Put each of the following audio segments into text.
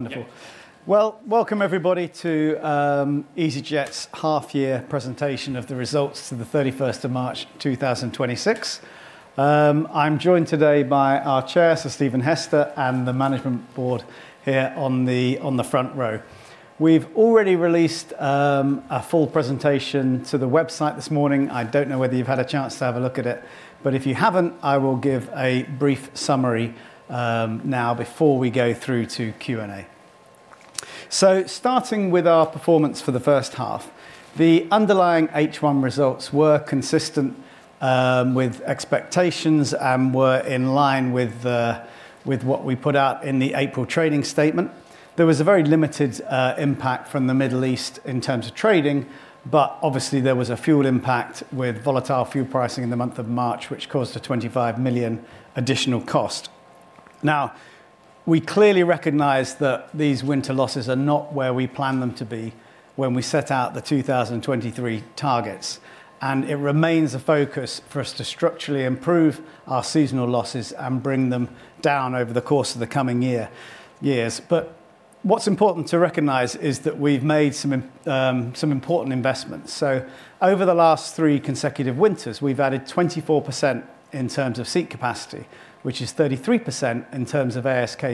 Wonderful. Well, welcome everybody to easyJet's half-year presentation of the results for the 31st of March 2026. I'm joined today by our Chair, Sir Stephen Hester, and the management board here on the front row. We've already released a full presentation to the website this morning. I don't know whether you've had a chance to have a look at it, but if you haven't, I will give a brief summary now before we go through to Q&A. Starting with our performance for the H1, the underlying H1 results were consistent with expectations and were in line with what we put out in the April trading statement. There was a very limited impact from the Middle East in terms of trading, but obviously there was a fuel impact with volatile fuel pricing in the month of March, which caused a 25 million additional cost. Now, we clearly recognize that these winter losses are not where we planned them to be when we set out the 2023 targets, and it remains a focus for us to structurally improve our seasonal losses and bring them down over the course of the coming years. What's important to recognize is that we've made some important investments. So over the last three consecutive winters, we've added 24% in terms of seat capacity, which is 33% in terms of ASK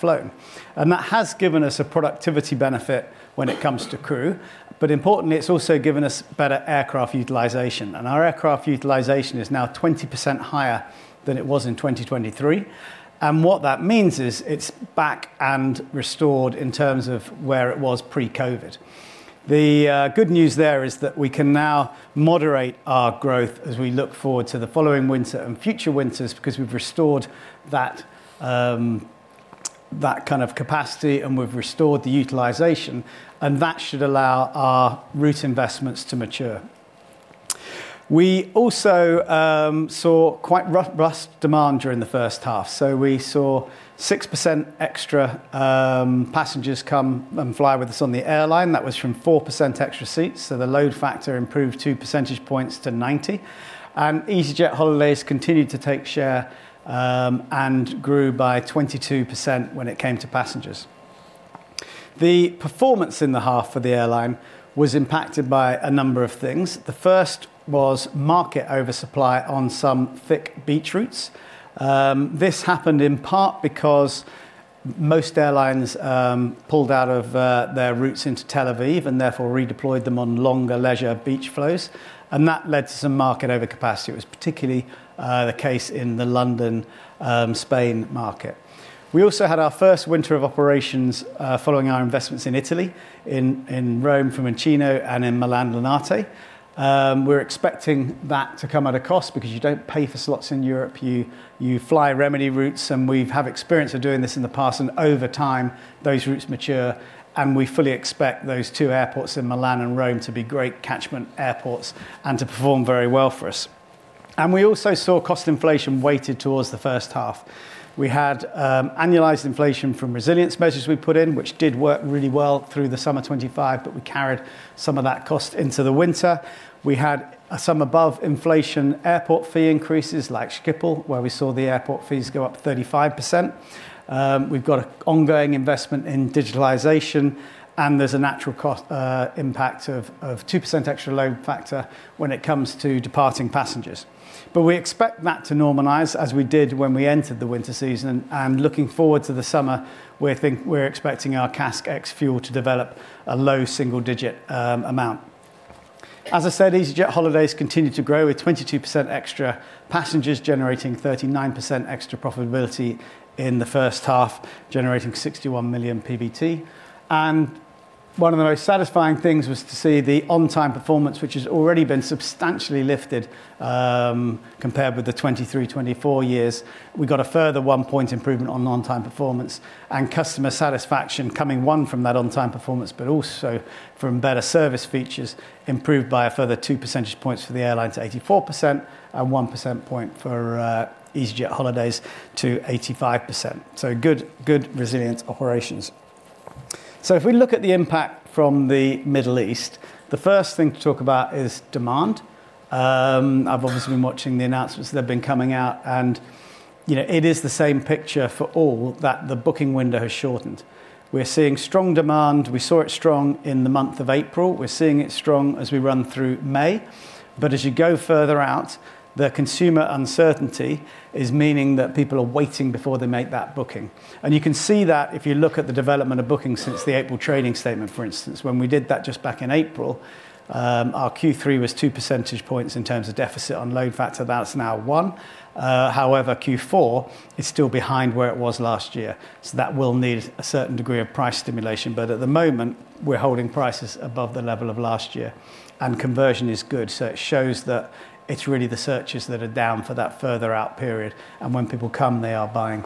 flown. And that has given us a productivity benefit when it comes to crew, but importantly, it's also given us better aircraft utilization. And our aircraft utilization is now 20% higher than it was in 2023, and what that means is it's back and restored in terms of where it was pre-COVID. The good news there is that we can now moderate our growth as we look forward to the following winter and future winters because we've restored that capacity and we've restored the utilization, and that should allow our route investments to mature. We saw 6% extra passengers come and fly with us on the airline. That was from 4% extra seats, so the load factor improved 2 percentage points to 90. easyJet holidays continued to take share, and grew by 22% when it came to passengers. The performance in the half for the airline was impacted by a number of things. The first was market oversupply on some thick beach routes. This happened in part because most airlines pulled out of their routes into Tel Aviv, therefore redeployed them on longer leisure beach flows, that led to some market overcapacity. It was particularly the case in the London-Spain market. We also had our first winter of operations, following our investments in Italy, in Rome, Fiumicino and in Milan Linate. We're expecting that to come at a cost because you don't pay for slots in Europe, you fly remedy routes, we have experience of doing this in the past, over time, those routes mature, we fully expect those two airports in Milan and Rome to be great catchment airports and to perform very well for us. We also saw cost inflation weighted towards the H1. We had annualized inflation from resilience measures we put in, which did work really well through the summer 2025. We carried some of that cost into the winter. We had some above-inflation airport fee increases like Schiphol, where we saw the airport fees go up 35%. We've got ongoing investment in digitalization. There's a natural cost impact of 2% extra load factor when it comes to departing passengers. We expect that to normalize as we did when we entered the winter season. Looking forward to the summer, we're expecting our CASK ex-fuel to develop a low single-digit amount. As I said, easyJet holidays continue to grow with 22% extra passengers, generating 39% extra profitability in the H1, generating 61 million PBT. One of the most satisfying things was to see the on-time performance, which has already been substantially lifted, compared with the 2023, 2024 years. We got a further one point improvement on on-time performance and customer satisfaction coming, one, from that on-time performance, but also from better service features improved by a further 2 percentage points for the airline to 84%, and 1 percentage point for easyJet holidays to 85%. Good resilient operations. If we look at the impact from the Middle East, the first thing to talk about is demand. I've obviously been watching the announcements that have been coming out and it is the same picture for all that the booking window has shortened. We're seeing strong demand. We saw it strong in the month of April. We're seeing it strong as we run through May. As you go further out, the consumer uncertainty is meaning that people are waiting before they make that booking. You can see that if you look at the development of bookings since the April trading statement, for instance. When we did that just back in April, our Q3 was 2 percentage points in terms of deficit on load factor, that's now one. Q4 is still behind where it was last year, so that will need a certain degree of price stimulation, but at the moment, we're holding prices above the level of last year. Conversion is good, so it shows that it's really the searches that are down for that further out period, and when people come, they are buying.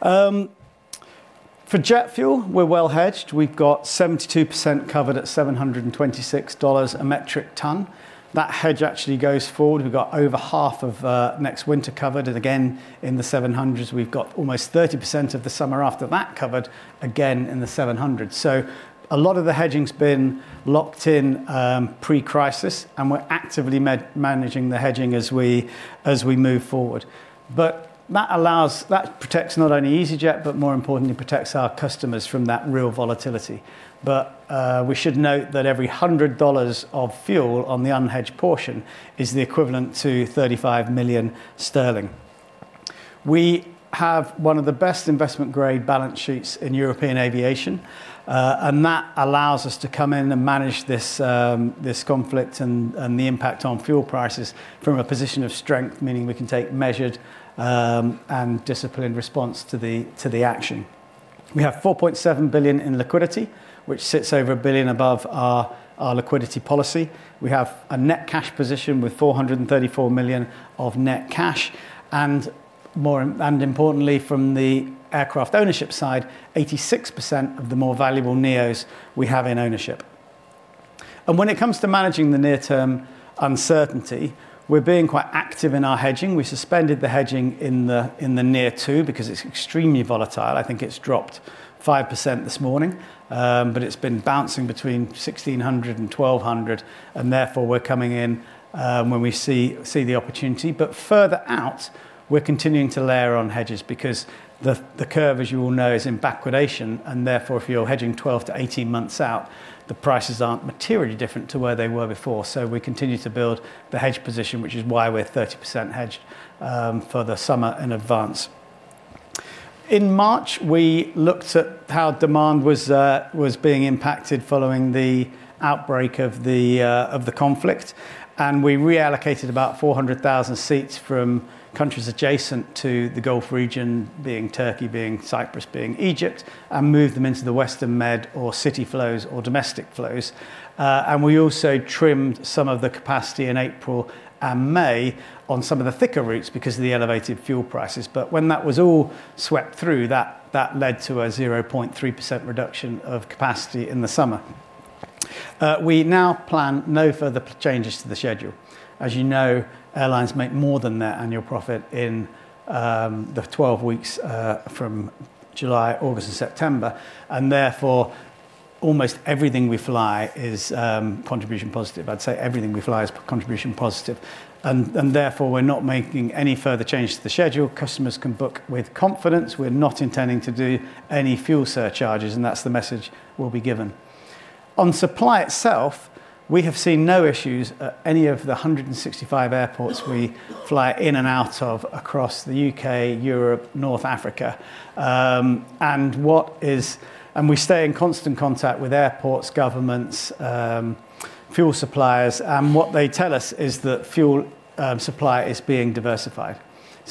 For jet fuel, we're well hedged. We've got 72% covered at $726 a metric ton. That hedge actually goes forward. We've got over half of next winter covered, and again, in the 700s, we've got almost 30% of the summer after that covered, again, in the 700s. A lot of the hedging's been locked in pre-crisis, we're actively managing the hedging as we move forward. That protects not only easyJet, but more importantly, protects our customers from that real volatility. We should note that every GBP 100 of fuel on the unhedged portion is the equivalent to 35 million sterling. We have one of the best investment-grade balance sheets in European aviation, that allows us to come in and manage this conflict and the impact on fuel prices from a position of strength, meaning we can take measured and disciplined response to the action. We have 4.7 billion in liquidity, which sits over 1 billion above our liquidity policy. We have a net cash position with 434 million of net cash. Importantly from the aircraft ownership side, 86% of the more valuable NEOs we have in ownership. When it comes to managing the near term uncertainty, we're being quite active in our hedging. We suspended the hedging in the near two because it's extremely volatile. I think it's dropped 5% this morning. It's been bouncing between 1,600 and 1,200, therefore, we're coming in when we see the opportunity. Further out, we're continuing to layer on hedges because the curve, as you all know, is in backwardation, therefore, if you're hedging 12-18 months out, the prices aren't materially different to where they were before. We continue to build the hedge position, which is why we're 30% hedged for the summer and advance. In March, we looked at how demand was being impacted following the outbreak of the conflict, and we reallocated about 400,000 seats from countries adjacent to the Gulf region, being Turkey, being Cyprus, being Egypt, and moved them into the Western Med or city flows or domestic flows. We also trimmed some of the capacity in April and May on some of the thicker routes because of the elevated fuel prices. When that was all swept through, that led to a 0.3% reduction of capacity in the summer. We now plan no further changes to the schedule. As you know, airlines make more than their annual profit in the 12 weeks from July, August, and September, and therefore, almost everything we fly is contribution positive. I'd say everything we fly is contribution positive, and therefore, we're not making any further change to the schedule. Customers can book with confidence. We're not intending to do any fuel surcharges. That's the message we'll be giving. On supply itself, we have seen no issues at any of the 165 airports we fly in and out of across the U.K., Europe, North Africa. We stay in constant contact with airports, governments, fuel suppliers. What they tell us is that fuel supply is being diversified.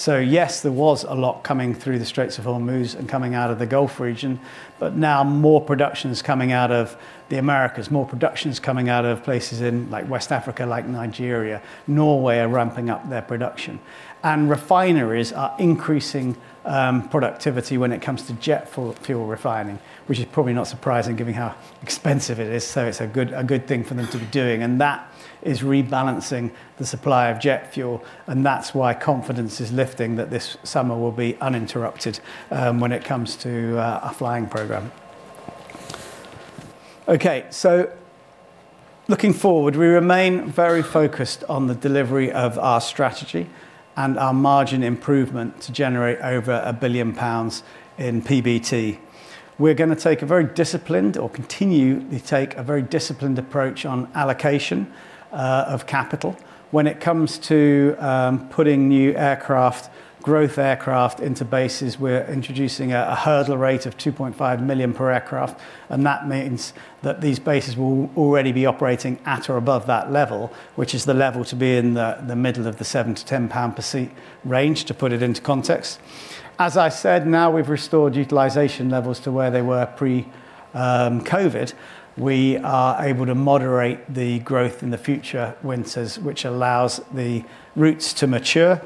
Yes, there was a lot coming through the Straits of Hormuz and coming out of the Gulf region. Now more production is coming out of the Americas, more production is coming out of places in West Africa, like Nigeria. Norway are ramping up their production. Refineries are increasing productivity when it comes to jet fuel refining, which is probably not surprising given how expensive it is. It's a good thing for them to be doing, and that is rebalancing the supply of jet fuel, and that's why confidence is lifting that this summer will be uninterrupted when it comes to our flying program. Okay. Looking forward, we remain very focused on the delivery of our strategy and our margin improvement to generate over 1 billion pounds in PBT. We continually take a very disciplined approach on allocation of capital. When it comes to putting new aircraft, growth aircraft into bases, we're introducing a hurdle rate of 2.5 million per aircraft, and that means that these bases will already be operating at or above that level, which is the level to be in the middle of the 7-10 pound per seat range, to put it into context. As I said, now we've restored utilization levels to where they were pre-COVID. We are able to moderate the growth in the future winters, which allows the routes to mature.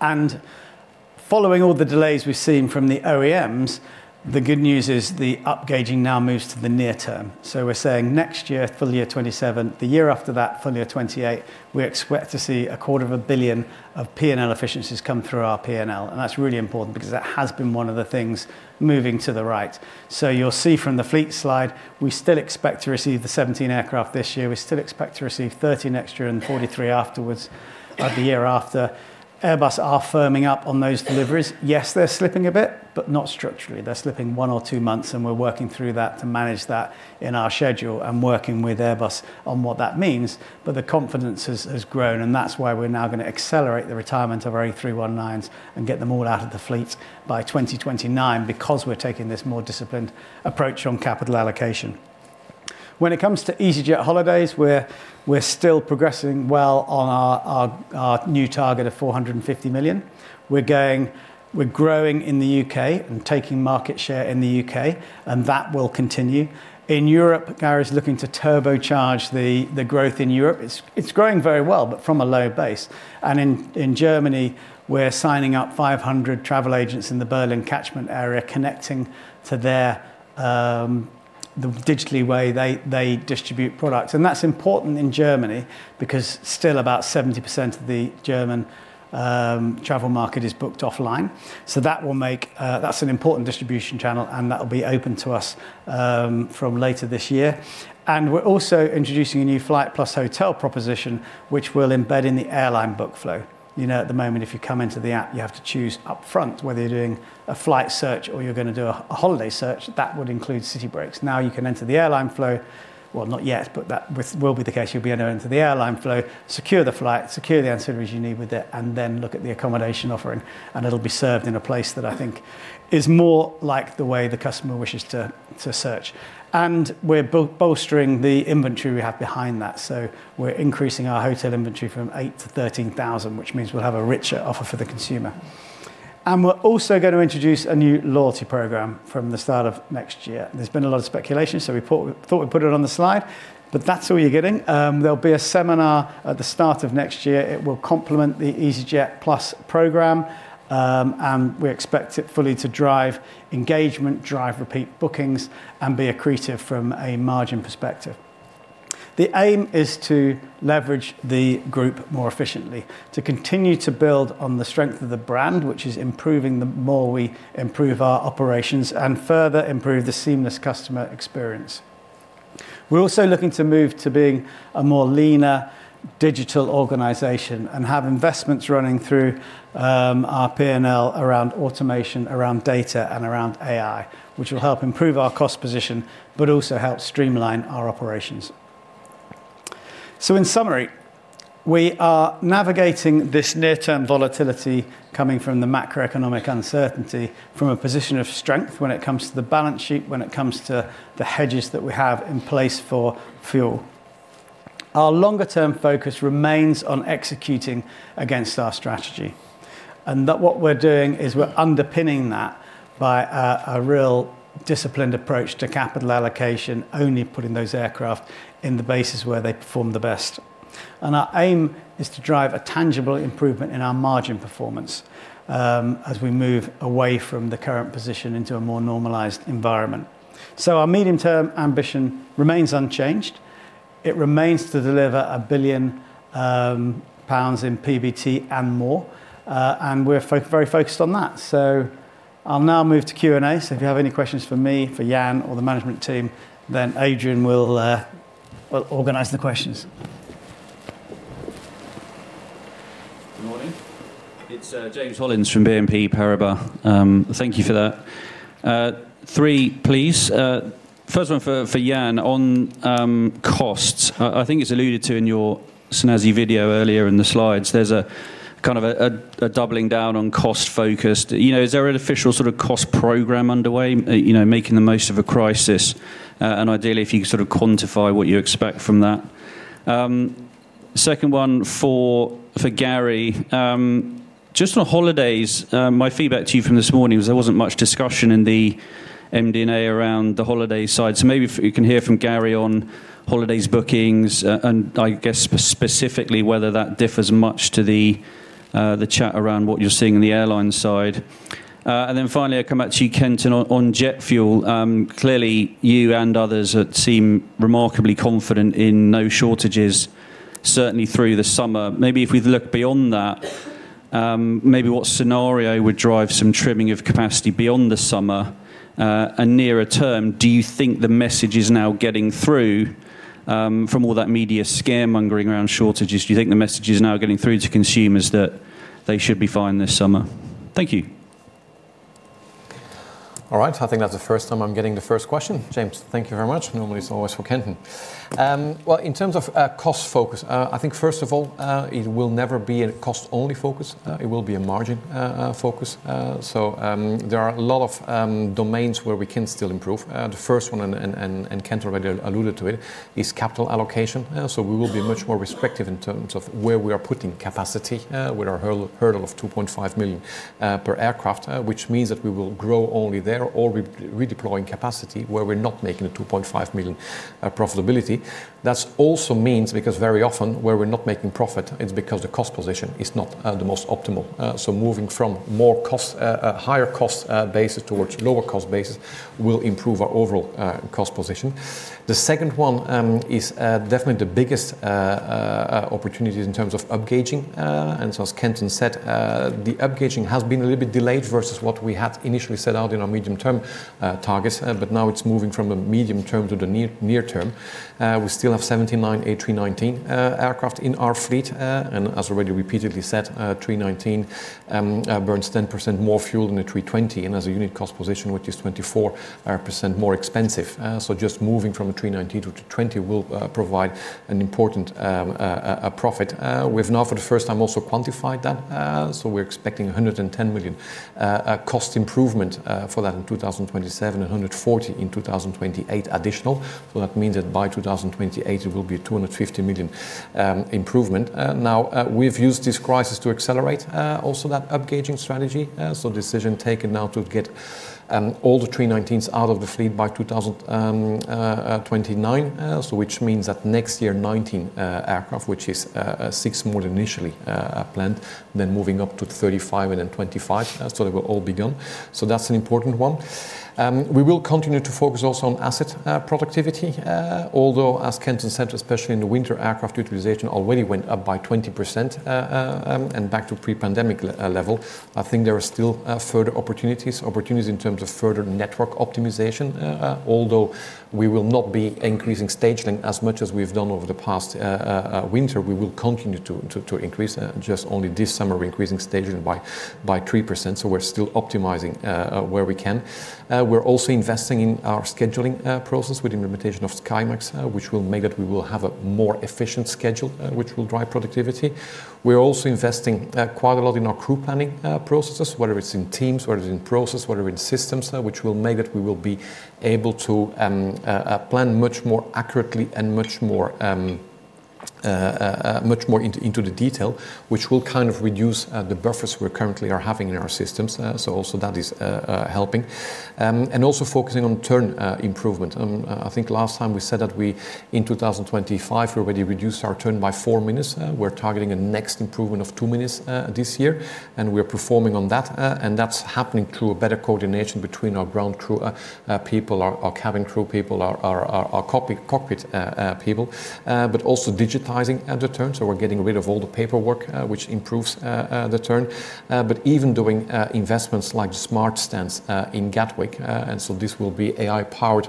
Following all the delays we've seen from the OEMs, the good news is the upgauging now moves to the near term. We're saying next year, full year 2027, the year after that, full year 2028, we expect to see 250 million of P&L efficiencies come through our P&L, and that's really important because that has been one of the things moving to the right. You'll see from the fleet slide, we still expect to receive the 17 aircraft this year. We still expect to receive 30 next year and 43 afterwards, the year after. Airbus are firming up on those deliveries. Yes, they're slipping a bit, but not structurally. They're slipping one or two months, and we're working through that to manage that in our schedule and working with Airbus on what that means. The confidence has grown, and that's why we're now going to accelerate the retirement of our A319s and get them all out of the fleet by 2029 because we're taking this more disciplined approach on capital allocation. When it comes to easyJet holidays, we're still progressing well on our new target of 450 million. We're growing in the U.K. and taking market share in the U.K., and that will continue. In Europe, Garry's looking to turbocharge the growth in Europe. It's growing very well, but from a low base. In Germany, we're signing up 500 travel agents in the Berlin catchment area connecting to their digital way they distribute products, and that's important in Germany because still about 70% of the German travel market is booked offline. That's an important distribution channel, and that'll be open to us from later this year. We're also introducing a new flight plus hotel proposition, which we'll embed in the airline book flow. At the moment, if you come into the app, you have to choose upfront whether you're doing a flight search or you're going to do a holiday search that would include city breaks. Now you can enter the airline flow, well, not yet, but that will be the case. You'll be able to enter the airline flow, secure the flight, secure the ancillaries you need with it, and then look at the accommodation offering, and it'll be served in a place that I think is more like the way the customer wishes to search. We're bolstering the inventory we have behind that. We're increasing our hotel inventory from 8-13,000, which means we'll have a richer offer for the consumer. We're also going to introduce a new loyalty program from the start of next year. There's been a lot of speculation, so we thought we'd put it on the slide, but that's all you're getting. There'll be a seminar at the start of next year. It will complement the easyJet Plus program, and we expect it fully to drive engagement, drive repeat bookings, and be accretive from a margin perspective. The aim is to leverage the group more efficiently, to continue to build on the strength of the brand, which is improving the more we improve our operations and further improve the seamless customer experience. We're also looking to move to being a leaner digital organization and have investments running through our P&L around automation, around data, and around AI, which will help improve our cost position, but also help streamline our operations. In summary, we are navigating this near-term volatility coming from the macroeconomic uncertainty from a position of strength when it comes to the balance sheet, when it comes to the hedges that we have in place for fuel. Our longer-term focus remains on executing against our strategy, and that what we're doing is we're underpinning that by a real disciplined approach to capital allocation, only putting those aircraft in the bases where they perform the best. Our aim is to drive a tangible improvement in our margin performance, as we move away from the current position into a more normalized environment. Our medium-term ambition remains unchanged. It remains to deliver 1 billion pounds in PBT and more. We're very focused on that. I'll now move to Q&A. If you have any questions for me, for Jan, or the management team, then Adrian will organize the questions. Good morning. It's James Hollins from BNP Paribas. Thank you for that. Three, please. First one for Jan on costs. I think it's alluded to in your snazzy video earlier in the slides. There's a doubling down on cost focused. Is there an official sort of cost program underway, making the most of a crisis, and ideally, if you could quantify what you expect from that? Second one for Garry. Just on holidays, my feedback to you from this morning was there wasn't much discussion in the MD&A around the holiday side. Maybe if we can hear from Garry on holidays bookings, and I guess specifically whether that differs much to the chat around what you're seeing on the airline side. Finally, I come back to you, Kenton, on jet fuel. Clearly, you and others seem remarkably confident in no shortages, certainly through the summer. Maybe if we look beyond that, maybe what scenario would drive some trimming of capacity beyond the summer? Nearer term, do you think the message is now getting through from all that media scaremongering around shortages, do you think the message is now getting through to consumers that they should be fine this summer? Thank you. All right. I think that's the first time I'm getting the first question. James, thank you very much. Normally, it's always for Kenton. Well, in terms of cost focus, I think first of all, it will never be a cost-only focus. It will be a margin focus. There are a lot of domains where we can still improve. The first one, and Kenton already alluded to it, is capital allocation. We will be much more respective in terms of where we are putting capacity, with our hurdle of 2.5 million per aircraft. Which means that we will grow only there or redeploying capacity where we're not making a 2.5 million profitability. That also means because very often where we're not making profit, it's because the cost position is not the most optimal. Moving from higher cost basis towards lower cost basis will improve our overall cost position. The second one is definitely the biggest opportunity in terms of upgauging. As Kenton said, the upgauging has been a little bit delayed versus what we had initially set out in our medium-term targets. Now it's moving from a medium-term to the near term. We still have 79 A319 aircraft in our fleet. As already repeatedly said, a A319 burns 10% more fuel than a A320, and has a unit cost position, which is 24% more expensive. Just moving from a A319 to A320 will provide an important profit. We've now for the first time also quantified that, we're expecting 110 million cost improvement for that in 2027, 140 million in 2028 additional. That means that by 2028, it will be a 250 million improvement. We've used this crisis to accelerate also that upgauging strategy. Decision taken now to get all the A319s out of the fleet by 2029. Which means that next year, 19 aircraft, which is six more than initially planned, then moving up to 35 and then 25. They will all be gone. That's an important one. We will continue to focus also on asset productivity. Although as Kenton said, especially in the winter, aircraft utilization already went up by 20%, and back to pre-pandemic level. I think there are still further opportunities in terms of further network optimization. Although we will not be increasing stage length as much as we've done over the past winter, we will continue to increase. Just only this summer, we're increasing stage length by 3%, so we're still optimizing where we can. We're also investing in our scheduling process with implementation of SkyMax, we will have a more efficient schedule, which will drive productivity. We're also investing quite a lot in our crew planning processes, whether it's in teams, whether it's in process, whether in systems, we will be able to plan much more accurately and much more into the detail, which will reduce the buffers we currently are having in our systems. Also that is helping. Also focusing on turn improvement. I think last time we said that in 2025, we already reduced our turn by four minutes. We're targeting a next improvement of two minutes this year, and we're performing on that. That's happening through a better coordination between our ground crew people, our cabin crew people, our cockpit people, but also digitizing the turn. We're getting rid of all the paperwork, which improves the turn. Even doing investments like the smart stands in Gatwick. These will be AI-powered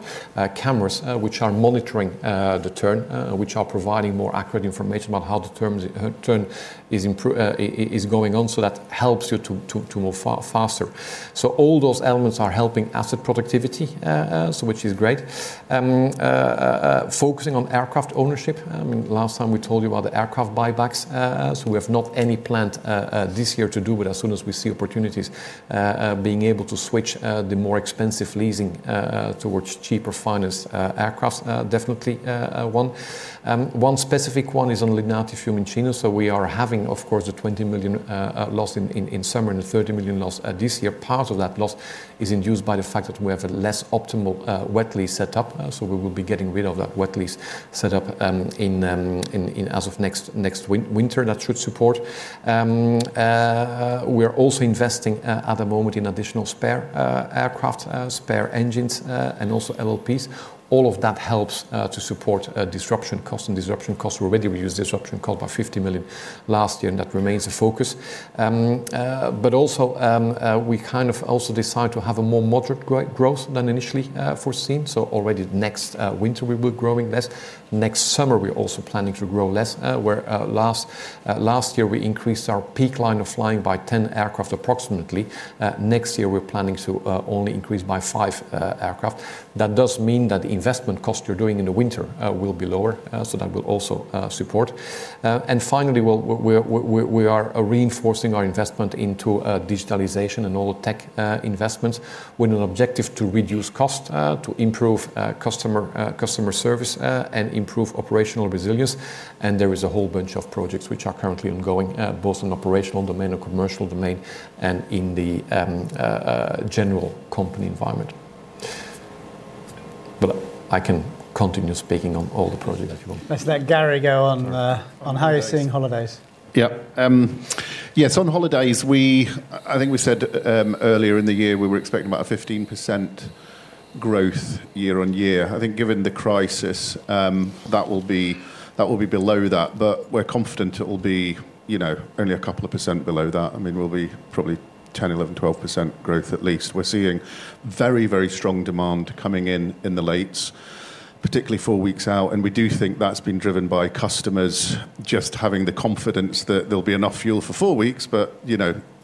cameras, which are monitoring the turn, which are providing more accurate information about how the turn is going on. That helps you to move faster. All those elements are helping asset productivity, which is great. Focusing on aircraft ownership. Last time we told you about the aircraft buybacks. We have not any planned this year to do, but as soon as we see opportunities, being able to switch the more expensive leasing towards cheaper finance aircraft, definitely. One specific one is on Leonardo-Fiumicino. We are having, of course, the 20 million loss in summer and a 30 million loss this year. Part of that loss is induced by the fact that we have a less optimal wet lease set up. We will be getting rid of that wet lease set up as of next winter. That should support. We are also investing at the moment in additional spare aircraft, spare engines, and also LLPs. All of that helps to support disruption costs. We already reduced disruption cost by 50 million last year, and that remains a focus. Also, we decide to have a more moderate growth than initially foreseen. Already next winter, we'll be growing less. Next summer, we're also planning to grow less, where last year we increased our peak line of flying by 10 aircraft, approximately. Next year, we're planning to only increase by five aircraft. That does mean that the investment cost you're doing in the winter will be lower, so that will also support. Finally, we are reinforcing our investment into digitalization and all tech investments with an objective to reduce cost, to improve customer service, and improve operational resilience. There is a whole bunch of projects which are currently ongoing, both in operational domain or commercial domain and in the general company environment. I can continue speaking on all the projects if you want. Let's let Garry go on how you're seeing holidays. On holidays, I think we said earlier in the year, we were expecting about a 15% growth year-on-year. Given the crisis, that will be below that, but we're confident it will be only 2% below that. We'll be probably 10%, 11%, 12% growth at least. We're seeing very strong demand coming in the lates, particularly four weeks out, and we do think that's been driven by customers just having the confidence that there'll be enough fuel for four weeks, but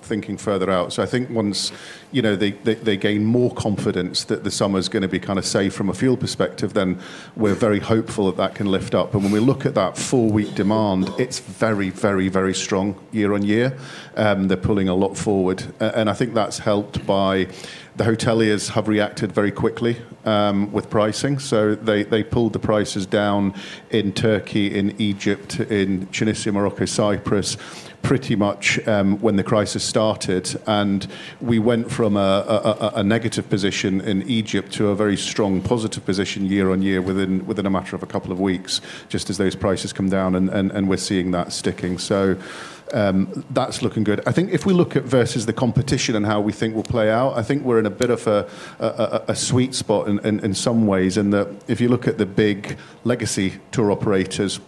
thinking further out. Once they gain more confidence that the summer's going to be safe from a fuel perspective, then we're very hopeful that that can lift up. When we look at that four-week demand, it's very strong year-on-year. They're pulling a lot forward. I think that's helped by the hoteliers have reacted very quickly with pricing. They pulled the prices down in Turkey, in Egypt, in Tunisia, Morocco, Cyprus, pretty much when the crisis started. We went from a negative position in Egypt to a very strong positive position year-on-year within a matter of a couple of weeks, just as those prices come down, and we're seeing that sticking. That's looking good. I think if we look at versus the competition and how we think will play out, I think we're in a bit of a sweet spot in some ways in that if you look at the big legacy tour operators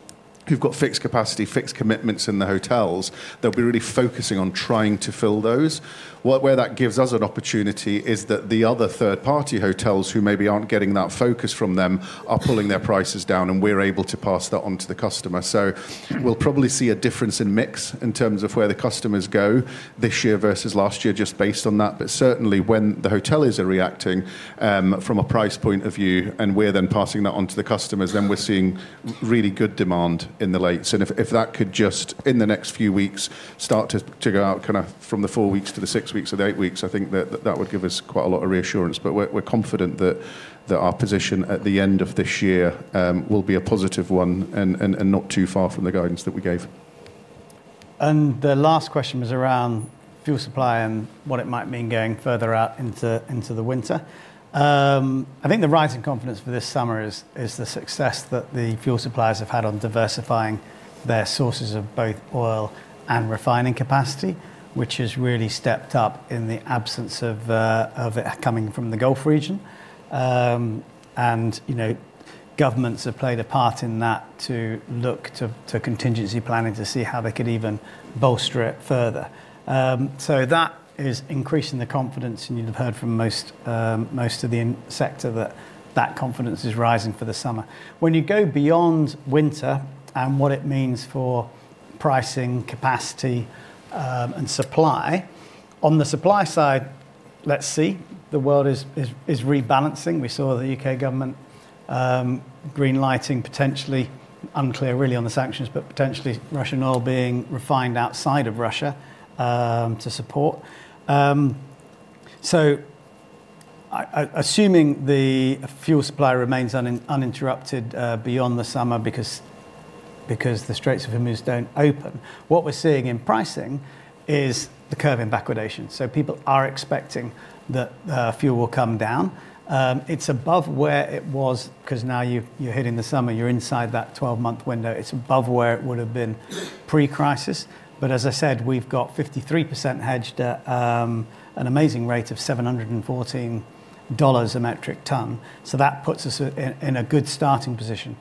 who've got fixed capacity, fixed commitments in the hotels, they'll be really focusing on trying to fill those. Where that gives us an opportunity is that the other third-party hotels who maybe aren't getting that focus from them are pulling their prices down, and we're able to pass that on to the customer. We'll probably see a difference in mix in terms of where the customers go this year versus last year, just based on that. Certainly, when the hoteliers are reacting from a price point of view, and we're then passing that on to the customers, then we're seeing really good demand in the lates. If that could just, in the next few weeks, start to go out from the four weeks to the six weeks or the eight weeks, I think that that would give us quite a lot of reassurance. We're confident that our position at the end of this year will be a positive one and not too far from the guidance that we gave. The last question was around fuel supply and what it might mean going further out into the winter. I think the rising confidence for this summer is the success that the fuel suppliers have had on diversifying their sources of both oil and refining capacity, which has really stepped up in the absence of it coming from the Gulf region. Governments have played a part in that to look to contingency planning to see how they could even bolster it further. That is increasing the confidence, and you'd have heard from most of the sector that that confidence is rising for the summer. When you go beyond winter and what it means for pricing, capacity, and supply, on the supply side, let's see. The world is rebalancing. We saw the U.K. government green-lighting potentially, unclear really on the sanctions, but potentially Russian oil being refined outside of Russia to support. Assuming the fuel supply remains uninterrupted beyond the summer because the Straits of Hormuz don't open, what we're seeing in pricing is the curve in backwardation. People are expecting that fuel will come down. It's above where it was, because now you're hitting the summer, you're inside that 12-month window. It's above where it would have been pre-crisis. As I said, we've got 53% hedged at an amazing rate of $714 a metric ton. That puts us in a good starting position.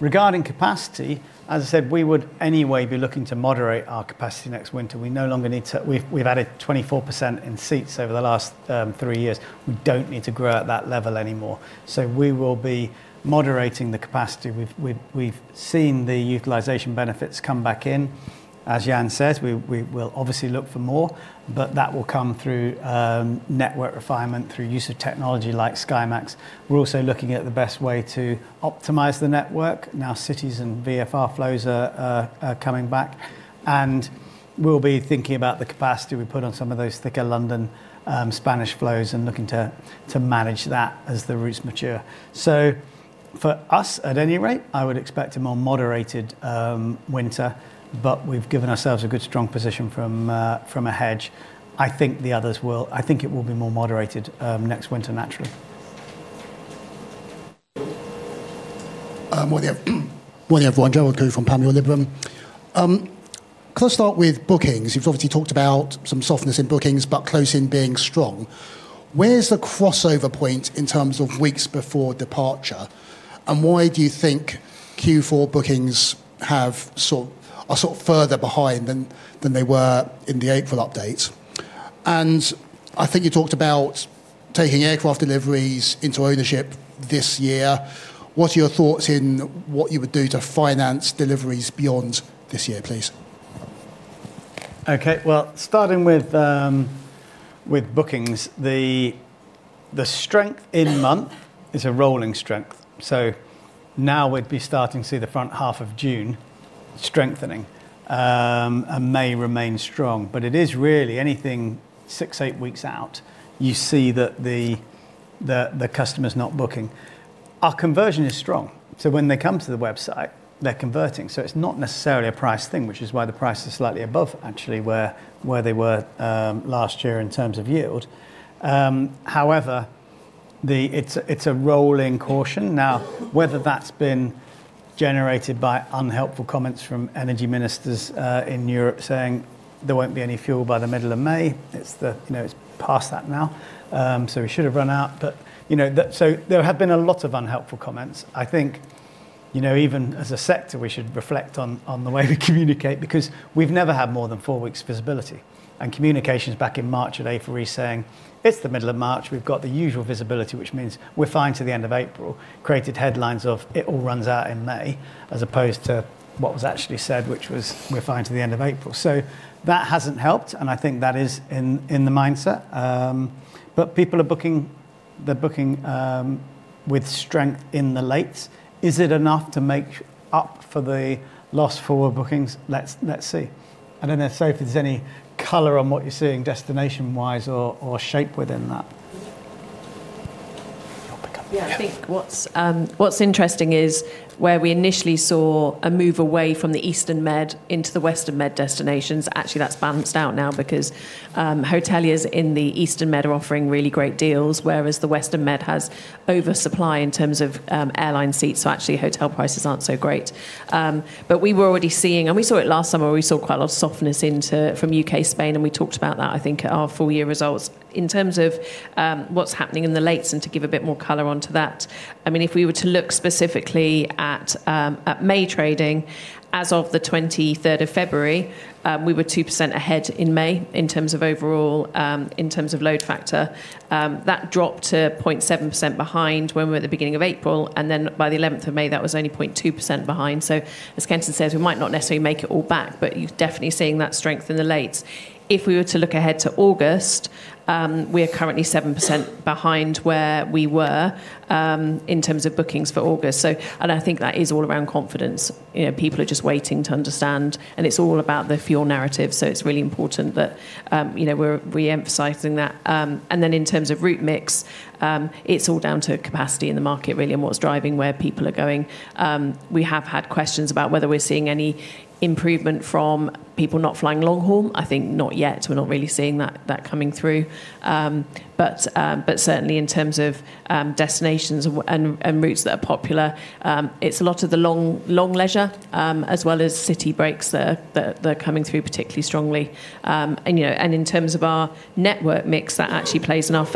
Regarding capacity, as I said, we would anyway be looking to moderate our capacity next winter. We've added 24% in seats over the last three years. We don't need to grow at that level anymore. We will be moderating the capacity. We've seen the utilization benefits come back in. As Jan says, we will obviously look for more, but that will come through network refinement, through use of technology like SkyMax. We're also looking at the best way to optimize the network. Now cities and VFR flows are coming back, and we'll be thinking about the capacity we put on some of those thicker London-Spanish flows and looking to manage that as the routes mature. For us, at any rate, I would expect a more moderated winter, but we've given ourselves a good, strong position from a hedge. I think it will be more moderated next winter, naturally. Morning, everyone, Joel Spungin from Panmure Gordon. Can I start with bookings? You've obviously talked about some softness in bookings, but close-in being strong. Where's the crossover point in terms of weeks before departure, and why do you think Q4 bookings are further behind than they were in the April update? I think you talked about taking aircraft deliveries into ownership this year. What are your thoughts in what you would do to finance deliveries beyond this year, please? Okay. Well, starting with bookings, the strength in month is a rolling strength. Now we'd be starting to see the front half of June strengthening, and May remain strong, but it is really anything six, eight weeks out, you see the customer's not booking. Our conversion is strong. When they come to the website, they're converting. It's not necessarily a price thing, which is why the price is slightly above actually where they were last year in terms of yield. However, it's a rolling caution. Now, whether that's been generated by unhelpful comments from energy ministers in Europe saying there won't be any fuel by the middle of May, it's past that now, so we should have run out. There have been a lot of unhelpful comments. I think even as a sector, we should reflect on the way we communicate because we've never had more than four weeks visibility, and communications back in March at A4E saying, "It's the middle of March. We've got the usual visibility, which means we're fine to the end of April," created headlines of, "It all runs out in May," as opposed to what was actually said, which was, "We're fine to the end of April." That hasn't helped, and I think that is in the mindset. People are booking, they're booking with strength in the lates. Is it enough to make up for the loss for bookings? Let's see. If there's any color on what you're seeing destination-wise or shape within that. Yeah. I think what's interesting is where we initially saw a move away from the Eastern Med into the Western Med destinations, actually, that's balanced out now because hoteliers in the Eastern Med are offering really great deals, whereas the Western Med has oversupply in terms of airline seats, so actually hotel prices aren't so great. We were already seeing, and we saw it last summer, we saw quite a lot of softness from U.K.-Spain, and we talked about that, I think, at our full-year results. In terms of what's happening in the lates and to give a bit more color onto that, if we were to look specifically at May trading, as of the 23rd of February, we were 2% ahead in May in terms of load factor. That dropped to 0.7% behind when we were at the beginning of April, and then by the 11th of May, that was only 0.2% behind. As Kenton says, we might not necessarily make it all back, but you're definitely seeing that strength in the lates. If we were to look ahead to August, we are currently 7% behind where we were in terms of bookings for August. I think that is all around confidence. People are just waiting to understand, and it's all about the fuel narrative, so it's really important that we're re-emphasizing that. In terms of route mix, it's all down to capacity in the market, really, and what's driving where people are going. We have had questions about whether we're seeing any improvement from people not flying long haul. I think not yet. We're not really seeing that coming through. Certainly in terms of destinations and routes that are popular, it's a lot of the long leisure as well as city breaks that are coming through particularly strongly. In terms of our network mix, that actually plays in our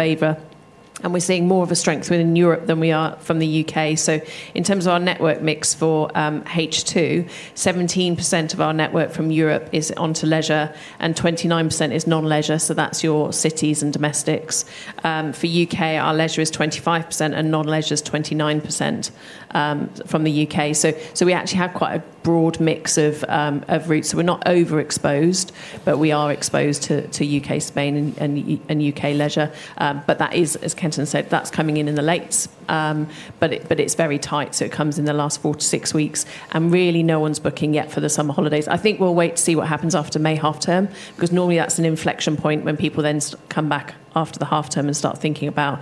favor. We're seeing more of a strength within Europe than we are from the U.K. In terms of our network mix for H2, 17% of our network from Europe is onto leisure, and 29% is non-leisure, so that's your cities and domestics. For U.K., our leisure is 25% and non-leisure is 29% from the U.K. We actually have quite a broad mix of routes. We're not overexposed, but we are exposed to U.K.-Spain and U.K. leisure. That is, as Kenton said, that's coming in in the lates. It's very tight, so it comes in the last four to six weeks, and really no one's booking yet for the summer holidays. I think we'll wait to see what happens after May half-term, because normally that's an inflection point when people then come back after the half-term and start thinking about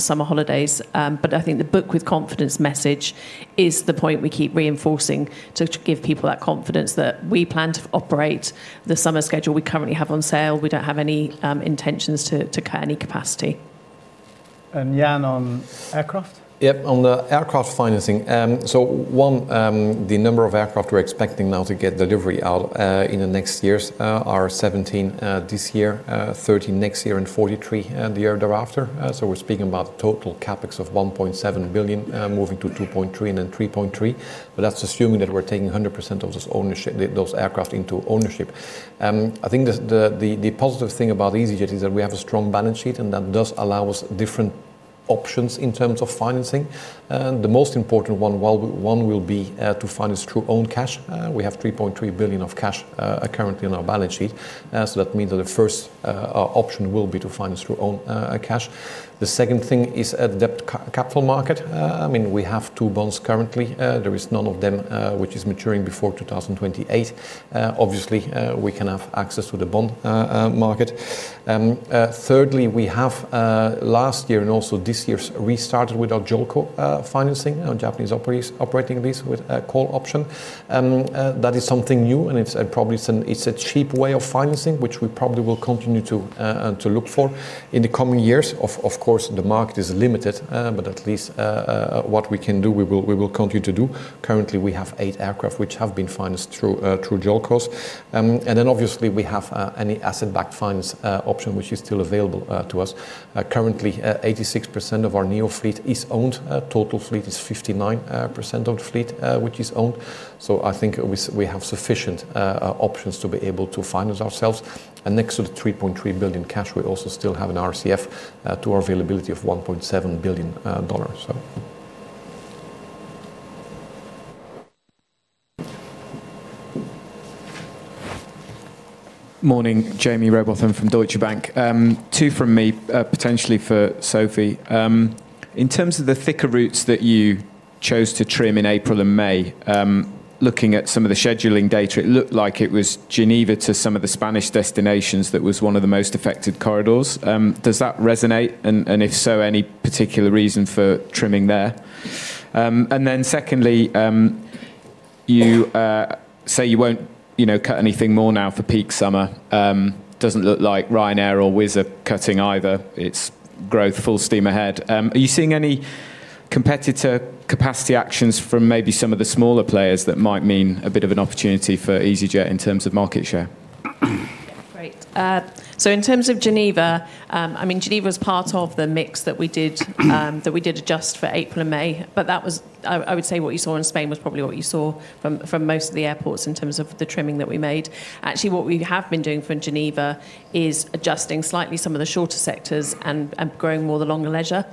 summer holidays. I think the book with confidence message is the point we keep reinforcing to give people that confidence that we plan to operate the summer schedule we currently have on sale. We don't have any intentions to cut any capacity. Jan on aircraft? Yep, on the aircraft financing. One, the number of aircraft we're expecting now to get delivery out in the next years are 17 this year, 30 next year, and 43 the year thereafter. We're speaking about total CapEx of 1.7 billion, moving to 2.3 billion and then 3.3 billion. That's assuming that we're taking 100% of those aircraft into ownership. I think the positive thing about easyJet is that we have a strong balance sheet, and that does allow us different options in terms of financing. The most important one will be to finance through own cash. We have 3.3 billion of cash currently on our balance sheet. That means that the first option will be to finance through own cash. The second thing is a debt capital market. We have two bonds currently. There is none of them which is maturing before 2028. Obviously, we can have access to the bond market. Thirdly, we have last year and also this year restarted with our JOLCO financing, our Japanese operating lease with a call option. That is something new, and it's a cheap way of financing, which we probably will continue to look for in the coming years. Of course, the market is limited, but at least what we can do, we will continue to do. Currently, we have eight aircraft which have been financed through JOLCOs. Obviously, we have any asset-backed finance option, which is still available to us. Currently, 86% of our NEO fleet is owned. Total fleet is 59% owned fleet. I think we have sufficient options to be able to finance ourselves. Next to the 3.3 billion cash, we also still have an RCF to our availability of $1.7 billion. Yeah. Morning. Jaime Rowbotham from Deutsche Bank. Two from me, potentially for Sophie. In terms of the thicker routes that you chose to trim in April and May, looking at some of the scheduling data, it looked like it was Geneva to some of the Spanish destinations that was one of the most affected corridors. Does that resonate? If so, any particular reason for trimming there? Secondly, you say you won't cut anything more now for peak summer. Doesn't look like Ryanair or Wizz are cutting either. It's growth full steam ahead. Are you seeing any competitor capacity actions from maybe some of the smaller players that might mean a bit of an opportunity for easyJet in terms of market share? Yeah. Great. In terms of Geneva is part of the mix that we did adjust for April and May. I would say what you saw in Spain was probably what you saw from most of the airports in terms of the trimming that we made. Actually, what we have been doing for Geneva is adjusting slightly some of the shorter sectors and growing more the longer leisure.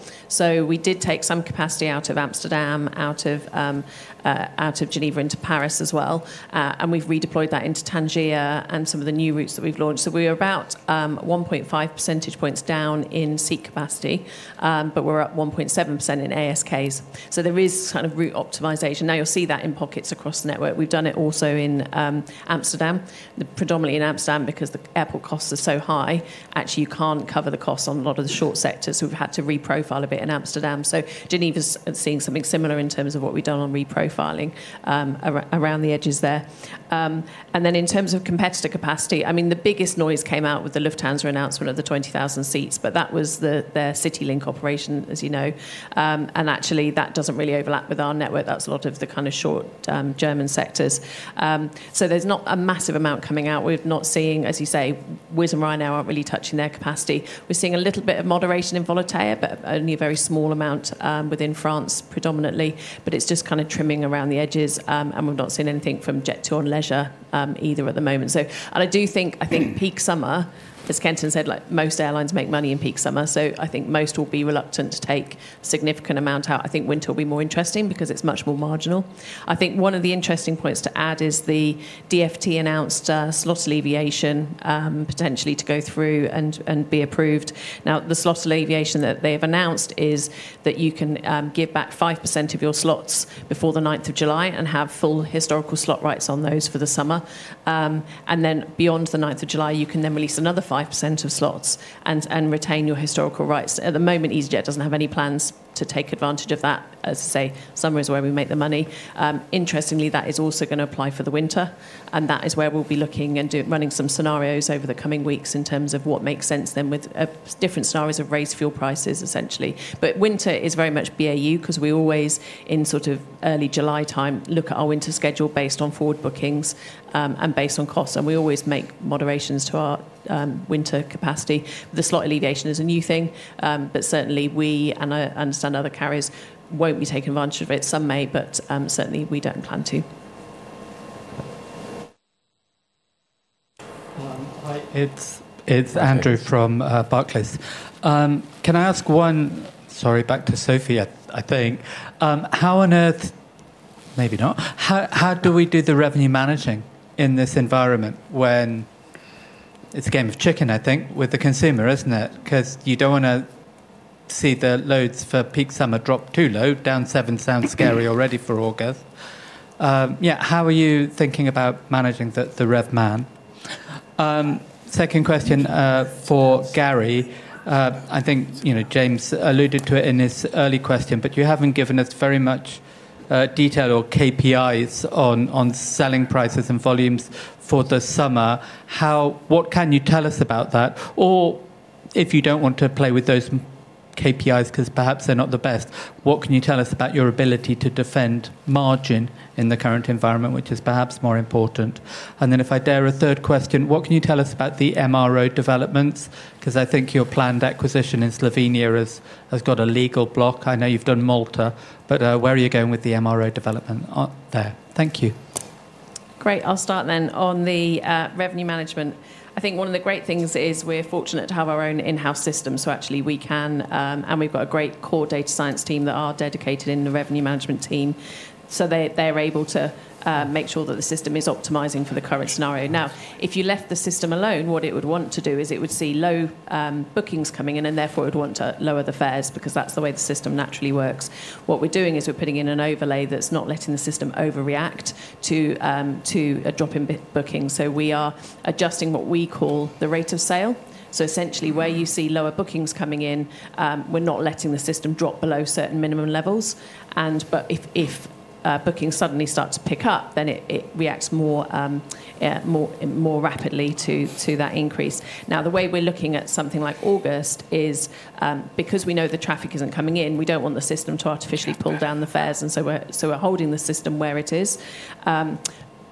We did take some capacity out of Amsterdam, out of Geneva into Paris as well, and we've redeployed that into Tangier and some of the new routes that we've launched. We are about 1.5 percentage points down in seat capacity, but we're up 1.7% in ASKs. There is route optimization. Now you'll see that in pockets across the network. We've done it also in Amsterdam, predominantly in Amsterdam, because the airport costs are so high. Actually, you can't cover the costs on a lot of the short sectors, so we've had to reprofile a bit in Amsterdam. Geneva is seeing something similar in terms of what we've done on reprofiling around the edges there. In terms of competitor capacity, the biggest noise came out with the Lufthansa announcement of the 20,000 seats, but that was their city link operation, as you know. Actually, that doesn't really overlap with our network. That's a lot of the short German sectors. There's not a massive amount coming out. We're not seeing, as you say, Wizz and Ryanair aren't really touching their capacity. We're seeing a little bit of moderation in Volotea, but only a very small amount within France, predominantly. It's just trimming around the edges. We've not seen anything from Jet2 or Leisure either at the moment. I do think peak summer, as Kenton said, most airlines make money in peak summer, so I think most will be reluctant to take significant amount out. I think winter will be more interesting because it is much more marginal. I think one of the interesting points to add is the DfT announced slots alleviation, potentially to go through and be approved. The slots alleviation that they have announced is that you can give back 5% of your slots before the 9th of July and have full historical slot rights on those for the summer. Beyond the 9th of July, you can then release another 5% of slots and retain your historical rights. At the moment, easyJet does not have any plans to take advantage of that, as I say, summer is where we make the money. Interestingly, that is also going to apply for the winter, and that is where we'll be looking and running some scenarios over the coming weeks in terms of what makes sense then with different scenarios of raised fuel prices, essentially. Winter is very much BAU because we always, in early July time, look at our winter schedule based on forward bookings and based on costs, and we always make moderations to our winter capacity. The slot alleviation is a new thing. Certainly, we, and I understand other carriers won't be taking advantage of it. Some may, but certainly, we don't plan to. Hi, it's Andrew from Barclays. Sorry, back to Sophie, I think. How on earth? Maybe not. How do we do the revenue managing in this environment when it's a game of chicken, I think, with the consumer, isn't it? You don't want to see the loads for peak summer drop too low. Down 7% sounds scary already for August. Yeah. How are you thinking about managing the rev man? Second question for Garry. I think James alluded to it in his early question, you haven't given us very much detail or KPIs on selling prices and volumes for the summer. What can you tell us about that? If you don't want to play with those. KPIs because perhaps they're not the best. What can you tell us about your ability to defend margin in the current environment, which is perhaps more important? Then if I dare, a third question, what can you tell us about the MRO developments? Because I think your planned acquisition in Slovenia has got a legal block. I know you've done Malta, but where are you going with the MRO development there? Thank you. Great. I'll start then. On the revenue management, I think one of the great things is we're fortunate to have our own in-house system. We've got a great core data science team that are dedicated in the revenue management team. They're able to make sure that the system is optimizing for the current scenario. Now, if you left the system alone, what it would want to do is it would see low bookings coming in. Therefore, it would want to lower the fares because that's the way the system naturally works. What we're doing is we're putting in an overlay that's not letting the system overreact to a drop in bookings. We are adjusting what we call the rate of sale. Essentially, where you see lower bookings coming in, we're not letting the system drop below certain minimum levels. If bookings suddenly start to pick up, then it reacts more rapidly to that increase. The way we're looking at something like August is because we know the traffic isn't coming in, we don't want the system to artificially pull down the fares, we're holding the system where it is.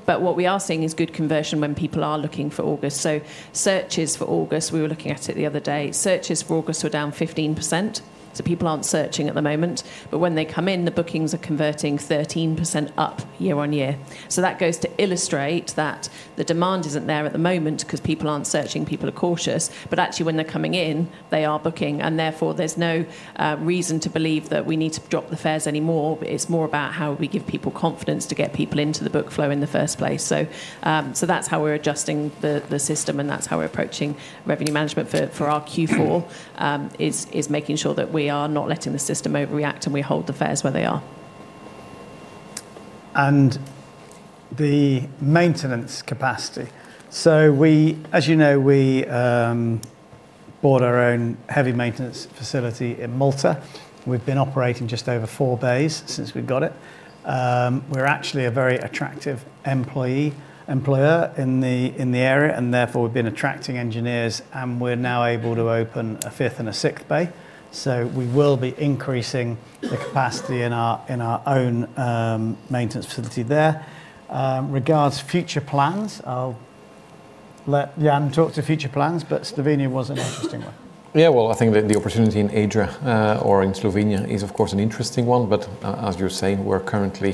What we are seeing is good conversion when people are looking for August. Searches for August, we were looking at it the other day, searches for August were down 15%, people aren't searching at the moment. When they come in, the bookings are converting 13% up year-on-year. That goes to illustrate that the demand isn't there at the moment because people aren't searching, people are cautious, but actually, when they're coming in, they are booking, and therefore, there's no reason to believe that we need to drop the fares anymore. It's more about how we give people confidence to get people into the book flow in the first place. That's how we're adjusting the system, and that's how we're approaching revenue management for our Q4, is making sure that we are not letting the system overreact, and we hold the fares where they are. The maintenance capacity. As you know, we bought our own heavy maintenance facility in Malta. We've been operating just over four bays since we got it. We're actually a very attractive employer in the area, and therefore, we've been attracting engineers, and we're now able to open a fifth and a sixth bay. We will be increasing the capacity in our own maintenance facility there. Regards future plans, I'll let Jan talk to future plans, but Slovenia was an interesting one. Well, I think the opportunity in Adria, or in Slovenia, is, of course, an interesting one. As you were saying, we're currently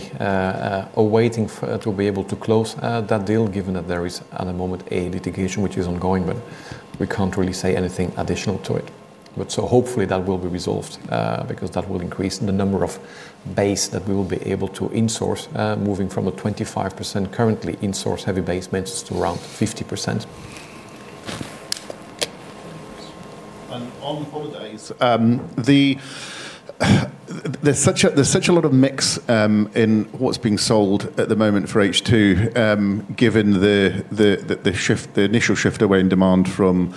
waiting to be able to close that deal, given that there is, at the moment, a litigation which is ongoing, but we can't really say anything additional to it. Hopefully, that will be resolved because that will increase the number of bays that we will be able to insource, moving from the 25% currently insourced heavy bay maintenance to around 50%. On holidays, there's such a lot of mix in what's being sold at the moment for H2, given the initial shift away in demand from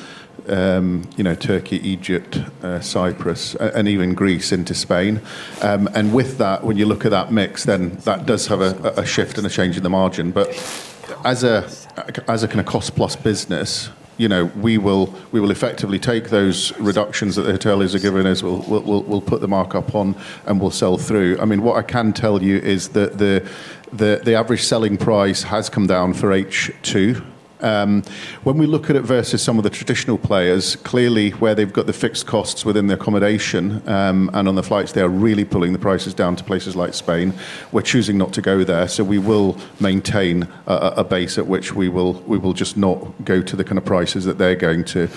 Turkey, Egypt, Cyprus, and even Greece into Spain. With that, when you look at that mix, that does have a shift and a change in the margin. As a kind of cost-plus business, we will effectively take those reductions that the hoteliers are giving us. We'll put the markup on, and we'll sell through. What I can tell you is that the average selling price has come down for H2. When we look at it versus some of the traditional players, clearly, where they've got the fixed costs within the accommodation, and on the flights, they are really pulling the prices down to places like Spain. We're choosing not to go there. We will maintain a base at which we will just not go to the kind of prices that they're going to.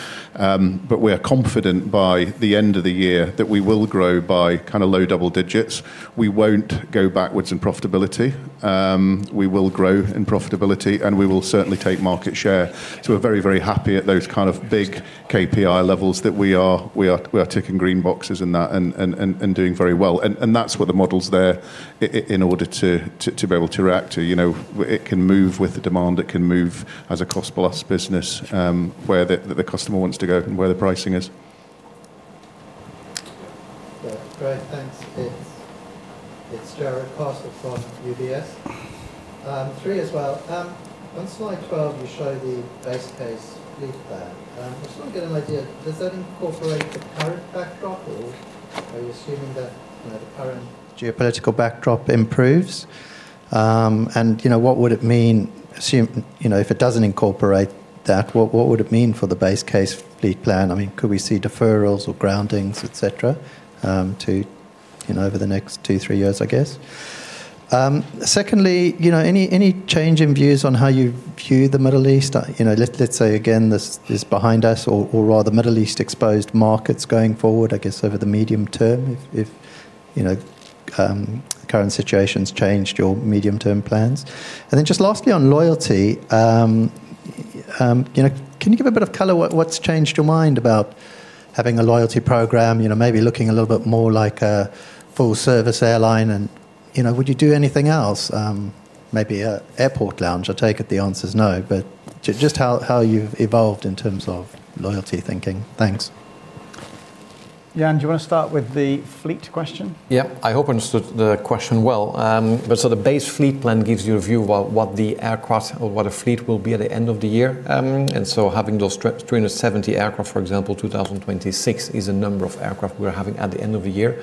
We are confident by the end of the year that we will grow by low double digits. We won't go backwards in profitability. We will grow in profitability, and we will certainly take market share. We're very, very happy at those kind of big KPI levels that we are ticking green boxes in that and doing very well. That's what the model's there in order to be able to react to. It can move with the demand, it can move as a cost-plus business, where the customer wants to go and where the pricing is. Great. Thanks. It's Jarrod Castle from UBS. Three as well. On slide 12, you show the base case fleet plan. I just want to get an idea, does that incorporate the current backdrop, or are you assuming that the current geopolitical backdrop improves? If it doesn't incorporate that, what would it mean for the base case fleet plan? Could we see deferrals or groundings, et cetera, over the next two, three years, I guess? Secondly, any change in views on how you view the Middle East? Let's say again, this is behind us, or rather Middle East exposed markets going forward, I guess, over the medium term, if current situations changed your medium-term plans? Just lastly, on loyalty. Can you give a bit of color what's changed your mind about having a loyalty program? You know, maybe looking a little bit more like a full-service airline, and would you do anything else? Maybe an airport lounge. I take it the answer's no, but just how you've evolved in terms of loyalty thinking. Thanks. Jan, do you want to start with the fleet question? Yeah. I hope I understood the question well. The base fleet plan gives you a view of what a fleet will be at the end of the year. Having those 370 aircraft, for example, 2026, is a number of aircraft we are having at the end of the year.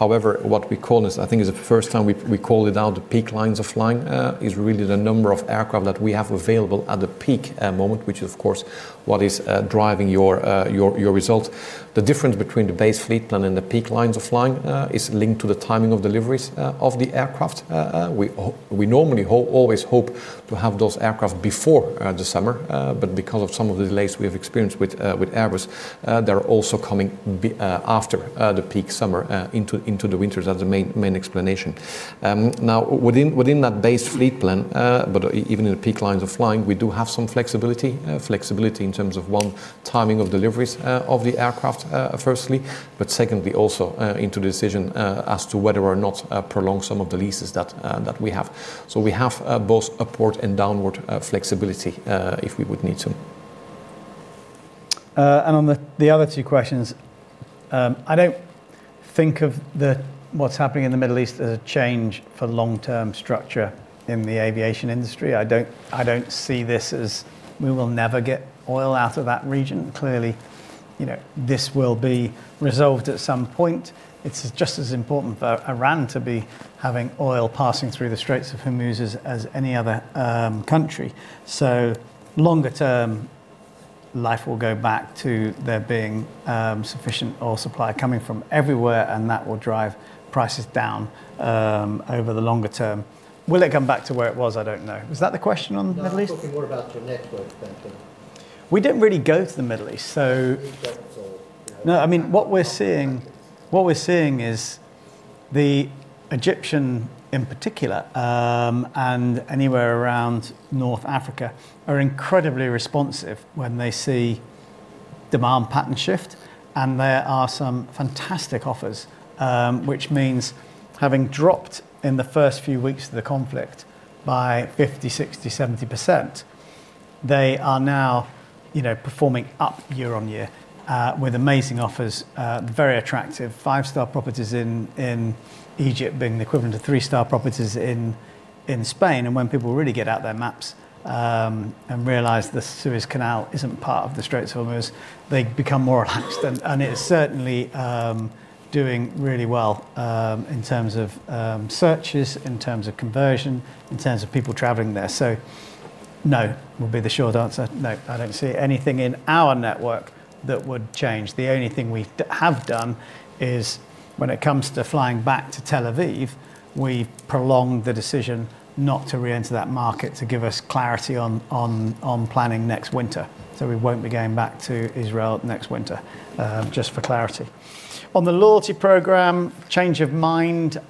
However, what we call this, I think it's the first time we called it out, the peak lines of flying, is really the number of aircraft that we have available at the peak moment, which, of course, what is driving your results. The difference between the base fleet plan and the peak lines of flying is linked to the timing of deliveries of the aircraft. We normally always hope to have those aircraft before the summer. Because of some of the delays we have experienced with Airbus, they are also coming after the peak summer into the winter. That's the main explanation. Within that base fleet plan, but even in the peak lines of flying, we do have some flexibility. Flexibility in terms of, one, timing of deliveries of the aircraft, firstly. Secondly, also into the decision as to whether or not prolong some of the leases that we have. We have both upward and downward flexibility if we would need to. On the other two questions, I don't think of what's happening in the Middle East as a change for long-term structure in the aviation industry. I don't see this as we will never get oil out of that region. Clearly, this will be resolved at some point. It's just as important for Iran to be having oil passing through the Straits of Hormuz as any other country. Longer term, life will go back to there being sufficient oil supply coming from everywhere, and that will drive prices down over the longer term. Will it come back to where it was? I don't know. Was that the question on the Middle East? No, I was talking more about your network than. We don't really go to the Middle East. No, what we're seeing is the Egyptian in particular, and anywhere around North Africa are incredibly responsive when they see demand pattern shift. There are some fantastic offers, which means having dropped in the first few weeks of the conflict by 50%, 60%, 70%, they are now performing up year-on-year with amazing offers. Very attractive five-star properties in Egypt being the equivalent of three-star properties in Spain. When people really get out their maps and realize the Suez Canal isn't part of the Straits of Hormuz, they become more relaxed. It's certainly doing really well in terms of searches, in terms of conversion, in terms of people traveling there. No, will be the short answer. No, I don't see anything in our network that would change. The only thing we have done is when it comes to flying back to Tel Aviv, we prolonged the decision not to reenter that market to give us clarity on planning next winter. We won't be going back to Israel next winter, just for clarity. On the loyalty program, change of mind,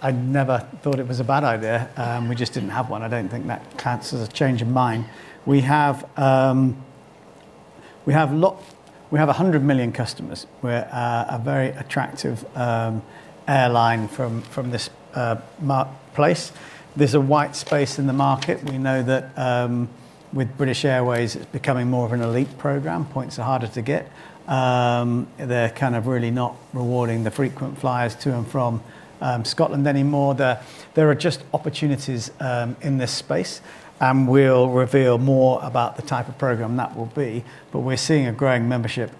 I never thought it was a bad idea. We just didn't have one. I don't think that counts as a change of mind. We have 100 million customers. We're a very attractive airline from this marketplace. There's a white space in the market. We know that with British Airways, it's becoming more of an elite program. Points are harder to get. They're kind of really not rewarding the frequent flyers to and from Scotland anymore. There are just opportunities in this space, and we'll reveal more about the type of program that will be. We're seeing a growing membership,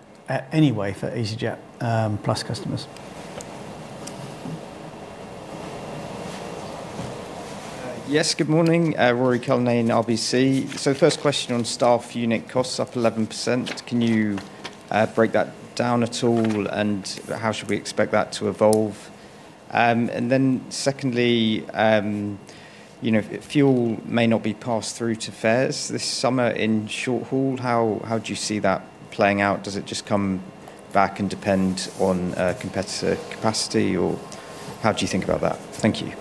anyway, for easyJet Plus customers. Yes, good morning. Ruairi Cullinane, RBC. First question on staff unit costs up 11%. Can you break that down at all, and how should we expect that to evolve? Secondly, fuel may not be passed through to fares this summer in short haul. How do you see that playing out? Does it just come back and depend on competitor capacity, or how do you think about that? Thank you.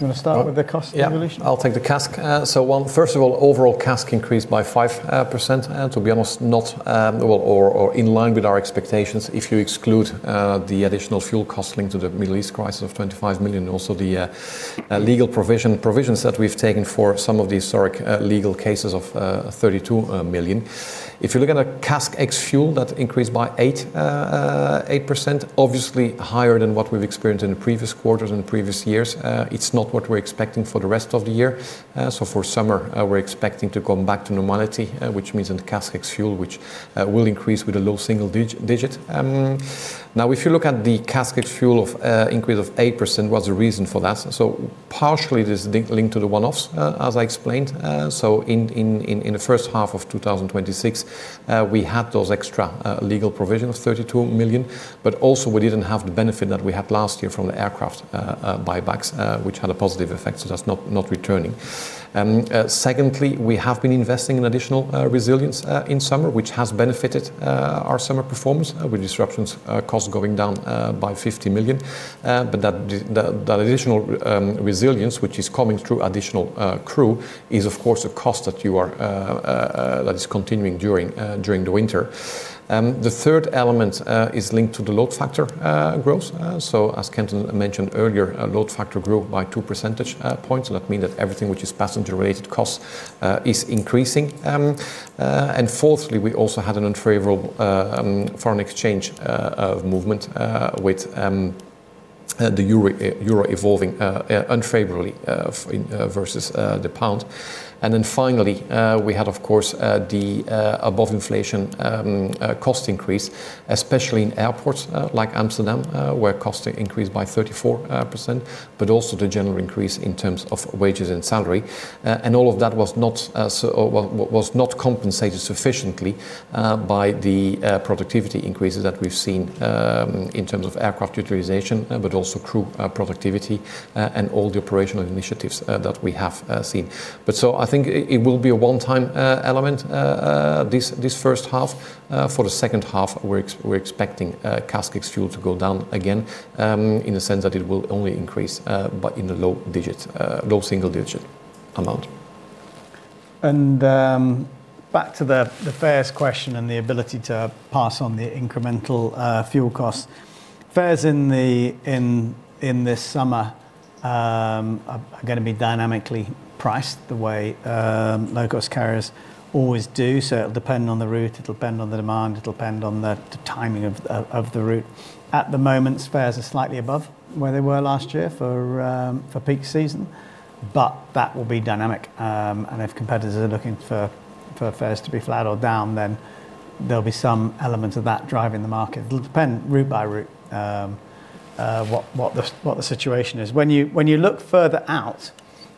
Do you want to start with the cost evolution? Yeah. I will take the CASK. Well, first of all, overall, CASK increased by 5%, to be honest, not, or in line with our expectations, if you exclude the additional fuel cost linked to the Middle East crisis of 25 million, also the legal provisions that we have taken for some of the historic legal cases of 32 million. If you look at a CASK ex fuel, that increased by 8%, obviously higher than what we have experienced in the previous quarters and previous years. It is not what we are expecting for the rest of the year. For summer, we are expecting to come back to normality, which means in the CASK ex fuel, which will increase with a low single digit. If you look at the CASK ex fuel increase of 8%, what is the reason for that? Partially, it is linked to the one-offs, as I explained. In the H1 of 2026, we had those extra legal provision of 32 million, but also we didn't have the benefit that we had last year from the aircraft buybacks, which had a positive effect. That's not returning. Secondly, we have been investing in additional resilience in summer, which has benefited our summer performance with disruptions cost going down by 50 million. That additional resilience, which is coming through additional crew, is of course, a cost that is continuing during the winter. The third element is linked to the load factor growth. As Kenton mentioned earlier, load factor grew by two percentage points. That means that everything which is passenger-related cost is increasing. Fourthly, we also had an unfavorable foreign exchange movement with the euro evolving unfavorably versus the pound. Finally, we had, of course, the above-inflation cost increase, especially in airports like Amsterdam, where costs increased by 34%, but also the general increase in terms of wages and salary. All of that was not compensated sufficiently by the productivity increases that we've seen in terms of aircraft utilization, but also crew productivity and all the operational initiatives that we have seen. I think it will be a one-time element, this H1. For the H2, we're expecting CASK ex-fuel to go down again, in the sense that it will only increase but in the low single-digit amount. Back to the fares question and the ability to pass on the incremental fuel costs. Fares in this summer are going to be dynamically priced the way low-cost carriers always do. It'll depend on the route, it'll depend on the demand, it'll depend on the timing of the route. At the moment, fares are slightly above where they were last year for peak season. That will be dynamic, and if competitors are looking for fares to be flat or down, then there'll be some element of that driving the market. It'll depend route by route, what the situation is. When you look further out,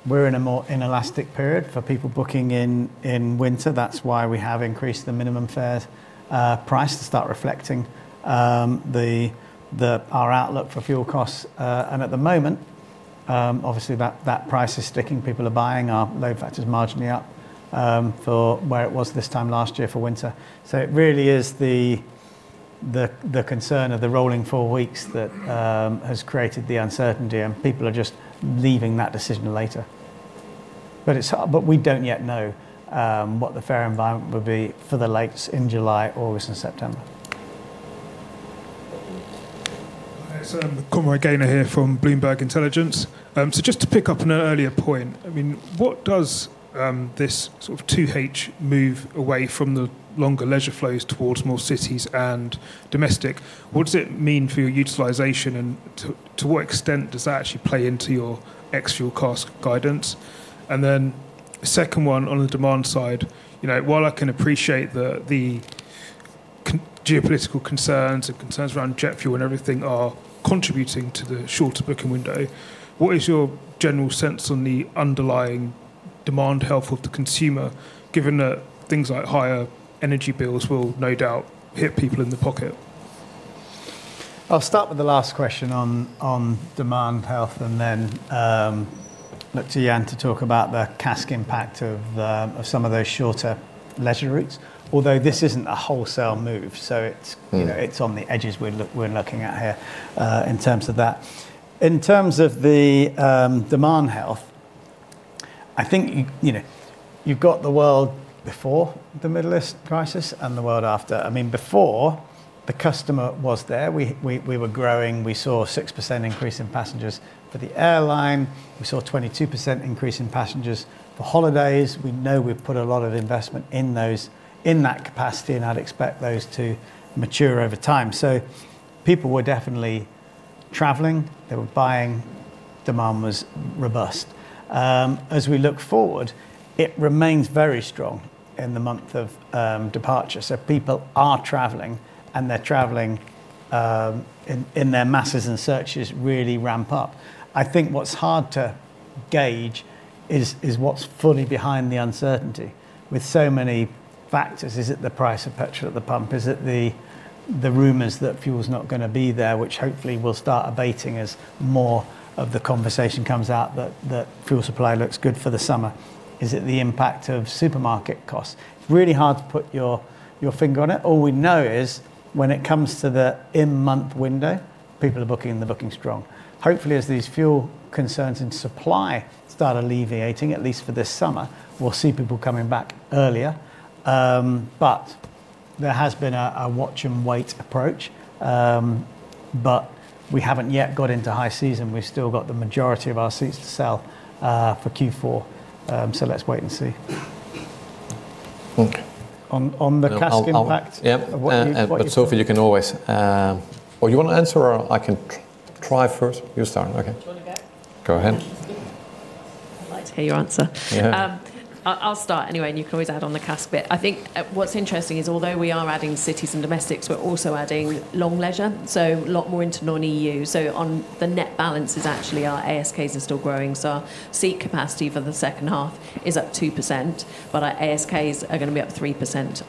we're in a more inelastic period for people booking in winter. That's why we have increased the minimum fares price to start reflecting our outlook for fuel costs. At the moment, obviously that price is sticking. People are buying our load factor is marginally up from where it was this time last year for winter. It really is the concern of the rolling four weeks that has created the uncertainty, and people are just leaving that decision later. We don't yet know what the fare environment will be for the likes in July, August and September. Hi, it's Conroy Gaynor here from Bloomberg Intelligence. Just to pick up on an earlier point, what does this sort of 2H move away from the longer leisure flows towards more cities and domestic, what does it mean for your utilization, and to what extent does that actually play into your ex-fuel CASK guidance? Second one on the demand side. While I can appreciate the geopolitical concerns and concerns around jet fuel and everything are contributing to the shorter booking window, what is your general sense on the underlying demand health of the consumer, given that things like higher energy bills will no doubt hit people in the pocket? I'll start with the last question on demand health and then look to Jan to talk about the CASK impact of some of those shorter leisure routes, although this isn't a wholesale move. On the edges we're looking at here in terms of that. In terms of the demand health, I think you've got the world before the Middle East crisis and the world after. Before, the customer was there. We were growing. We saw a 6% increase in passengers for the airline. We saw a 22% increase in passengers for holidays. We know we've put a lot of investment in that capacity, and I'd expect those to mature over time. People were definitely traveling. They were buying. Demand was robust. As we look forward, it remains very strong in the month of departure. People are traveling, and they're traveling in their masses, and searches really ramp up. I think what's hard to gauge is what's fully behind the uncertainty. With so many factors, is it the price of petrol at the pump? Is it the rumors that fuel's not going to be there, which hopefully will start abating as more of the conversation comes out that fuel supply looks good for the summer? Is it the impact of supermarket costs? Really hard to put your finger on it. All we know is when it comes to the in-month window, people are booking, and they're booking strong. Hopefully, as these fuel concerns and supply start alleviating, at least for this summer, we'll see people coming back earlier. There has been a watch and wait approach. We haven't yet got into high season. We've still got the majority of our seats to sell for Q4. Let's wait and see. Okay. On the CASK impact. Yep. Of what you've- Sophie you can always... You want to answer, or I can try first? You're starting. Okay. Go ahead. I'd like to hear your answer. Yeah. I'll start anyway, and you can always add on the CASK bit. I think what's interesting is although we are adding cities and domestics, we're also adding long leisure, so a lot more into non-EU. On the net balance is actually our ASKs are still growing. Our seat capacity for the H2 is up 2%, but our ASKs are going to be up 3%.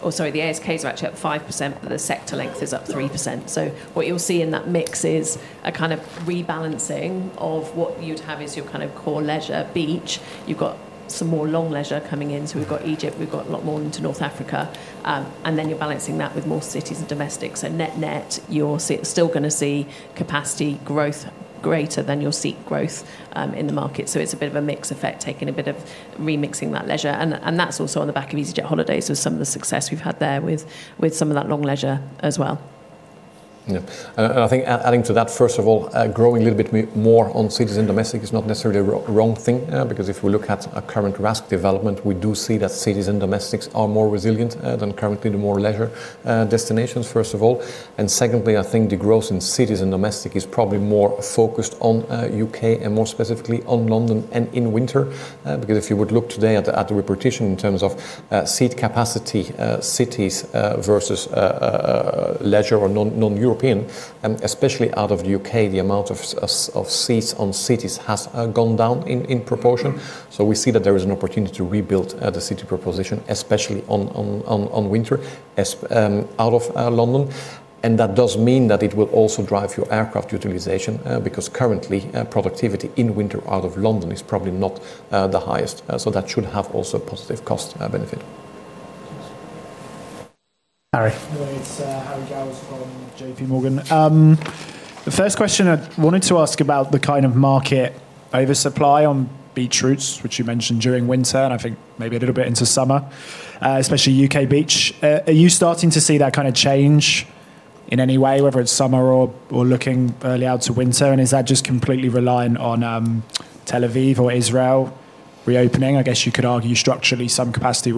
Oh, sorry, the ASKs are actually up 5%, but the sector length is up 3%. What you'll see in that mix is a kind of rebalancing of what you'd have as your kind of core leisure beach. You've got some more long leisure coming in. We've got Egypt, we've got a lot more into North Africa. You're balancing that with more cities and domestics. Net-net, you're still going to see capacity growth greater than your seat growth in the market. It's a bit of a mix effect, taking a bit of remixing that leisure, and that's also on the back of easyJet holidays. Some of the success we've had there with some of that long leisure as well. I think adding to that, first of all, growing a little bit more on cities and domestic is not necessarily a one wrong thing, because if we look at a current RASK development, we do see that cities and domestics are more resilient than currently the more leisure destinations, first of all. Secondly, I think the growth in cities and domestic is probably more focused on U.K., and more specifically on London and in winter. If you would look today at the repetition in terms of seat capacity, cities versus leisure or non-European, especially out of U.K., the amount of seats on cities has gone down in proportion. We see that there is an opportunity to rebuild the city proposition, especially on winter out of London. That does mean that it will also drive your aircraft utilization, because currently, productivity in winter out of London is probably not the highest. That should have also a positive cost benefit. Harry. Morning. It's Harry Gowers from JPMorgan. The first question, I wanted to ask about the kind of market oversupply on beach routes, which you mentioned during winter, and I think maybe a little bit into summer, especially U.K. beach. Are you starting to see that kind of change in any way, whether it's summer or looking early out to winter? Is that just completely reliant on Tel Aviv or Israel reopening? I guess you could argue structurally some capacity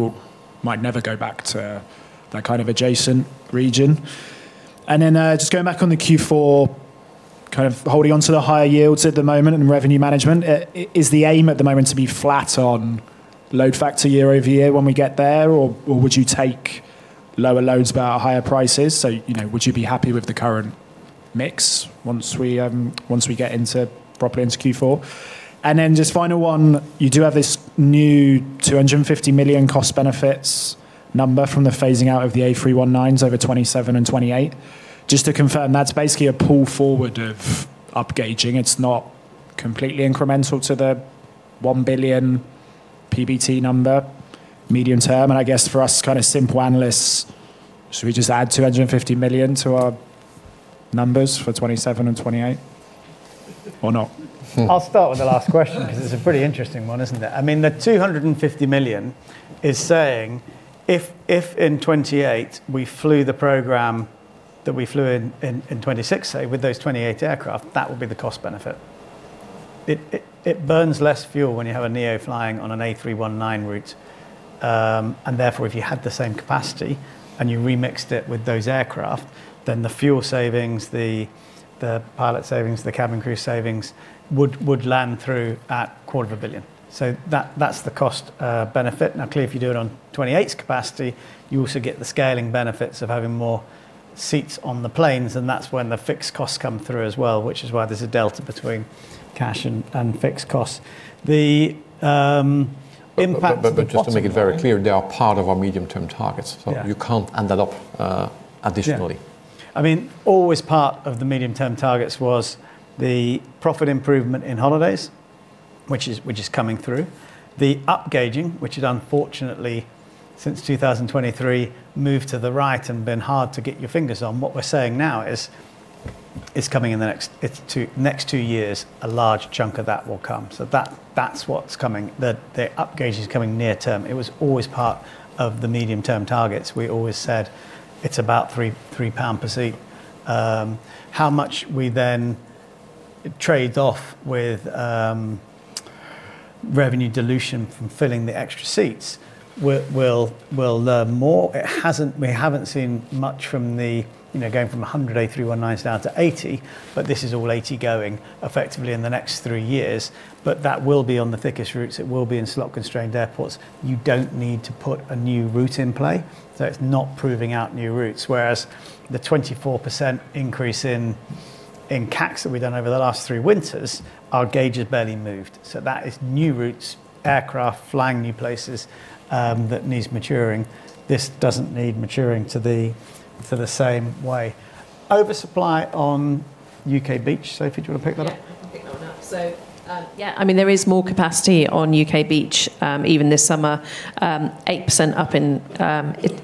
might never go back to that kind of adjacent region. Then, just going back on the Q4, kind of holding onto the higher yields at the moment and revenue management. Is the aim at the moment to be flat on load factor year-over-year when we get there, or would you take lower loads but higher prices? Would you be happy with the current mix once we get properly into Q4? Just final one, you do have this new 250 million cost benefits number from the phasing out of the A319s over 2027 and 2028. Just to confirm, that's basically a pull forward of upgauging. It's not completely incremental to the 1 billion PBT number medium-term. I guess for us kind of simple analysts, should we just add 250 million to our numbers for 2027 and 2028 or not? I'll start with the last question because it's a pretty interesting one, isn't it? I mean, the 250 million is saying, if in 2028 we flew the program that we flew in 2026, say, with those 28 aircraft, that would be the cost benefit. It burns less fuel when you have a NEO flying on an A319 route. Therefore, if you had the same capacity and you remixed it with those aircraft, then the fuel savings, the pilot savings, the cabin crew savings would land through at 250 million. That's the cost benefit. Clearly, if you do it on 2028's capacity, you also get the scaling benefits of having more seats on the planes, that's when the fixed costs come through as well, which is why there's a delta between cash and fixed costs. Just to make it very clear, they are part of our medium-term targets. Yeah. You can't add that up additionally. I mean, always part of the medium-term targets was the profit improvement in holidays, which is coming through. The upgauging, which has unfortunately since 2023 moved to the right and been hard to get your fingers on, what we are saying now is it is coming in the next two years, a large chunk of that will come. That is what is coming. The upgauge is coming near term. It was always part of the medium-term targets. We always said it is about 3 pound per seat. How much we then trade off with revenue dilution from filling the extra seats, we will learn more. We have not seen much from the going from 100 A319s down to 80, this is all 80 going effectively in the next three years. That will be on the thickest routes. It will be in slot-constrained airports. You don't need to put a new route in play, so it's not proving out new routes. Whereas the 24% increase in CACs that we've done over the last three winters, our gauge has barely moved. That is new routes, aircraft flying new places that needs maturing. This doesn't need maturing to the same way. Oversupply on U.K. beach. Sophie, do you want to pick that up? Yeah, I can pick that one up. Yeah, there is more capacity on U.K. beach even this summer. 8% up in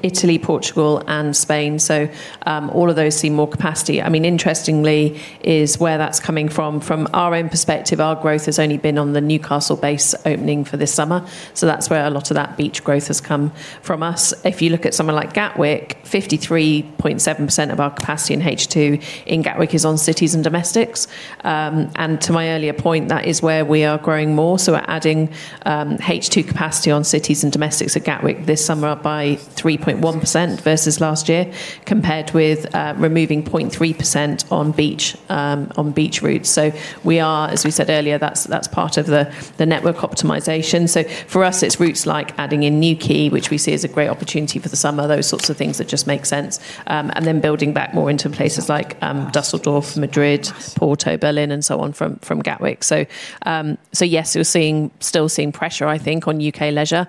Italy, Portugal, and Spain. All of those see more capacity. Interestingly is where that's coming from. From our own perspective, our growth has only been on the Newcastle base opening for this summer. That's where a lot of that beach growth has come from us. If you look at somewhere like Gatwick, 53.7% of our capacity in H2 in Gatwick is on cities and domestics. To my earlier point, that is where we are growing more. We're adding H2 capacity on cities and domestics at Gatwick this summer up by 3.1% versus last year, compared with removing 0.3% on beach routes. We are, as we said earlier, that's part of the network optimization. For us, it's routes like adding in Newquay, which we see as a great opportunity for the summer, those sorts of things that just make sense. Building back more into places like Dusseldorf, Madrid, Porto, Berlin, and so on from Gatwick. Yes, we're still seeing pressure, I think, on U.K. leisure.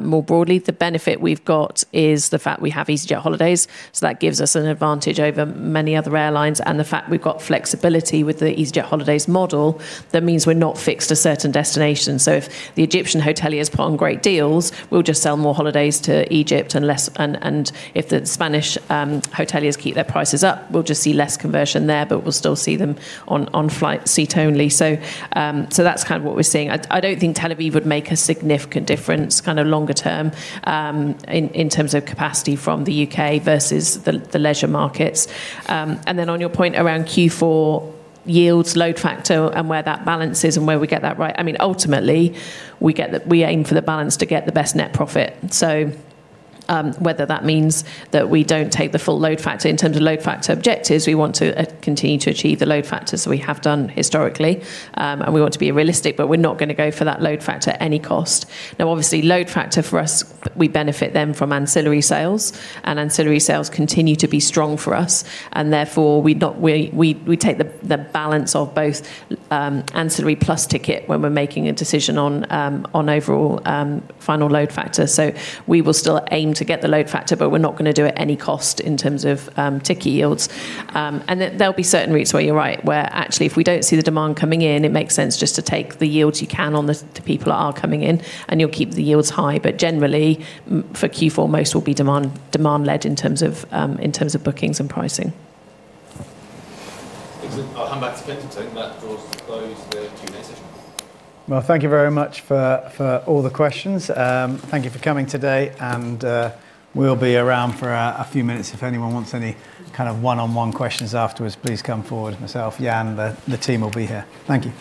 More broadly, the benefit we've got is the fact we have easyJet holidays, so that gives us an advantage over many other airlines. The fact we've got flexibility with the easyJet holidays model, that means we're not fixed to certain destinations. If the Egyptian hoteliers put on great deals, we'll just sell more holidays to Egypt and less And if the Spanish hoteliers keep their prices up, we'll just see less conversion there, but we'll still see them on flight seat only. That's kind of what we're seeing. I don't think Tel Aviv would make a significant difference longer term in terms of capacity from the U.K. versus the leisure markets. Then on your point around Q4 yields, load factor, and where that balance is and where we get that right, ultimately, we aim for the balance to get the best net profit. Whether that means that we don't take the full load factor in terms of load factor objectives, we want to continue to achieve the load factors that we have done historically, and we want to be realistic, but we're not going to go for that load factor at any cost. Now obviously, load factor for us, we benefit then from ancillary sales, and ancillary sales continue to be strong for us, and therefore, we take the balance of both ancillary plus ticket when we're making a decision on overall final load factor. We will still aim to get the load factor, but we're not going to do it at any cost in terms of ticket yields. There will be certain routes where you're right, where actually if we don't see the demand coming in, it makes sense just to take the yields you can on the people that are coming in, and you'll keep the yields high. Generally, for Q4, most will be demand-led in terms of bookings and pricing. Excellent. I'll hand back to Kenton to close the Q&A session. Well, thank you very much for all the questions. Thank you for coming today, and we'll be around for a few minutes if anyone wants any kind of one-on-one questions afterwards. Please come forward. Myself, Jan, the team will be here. Thank you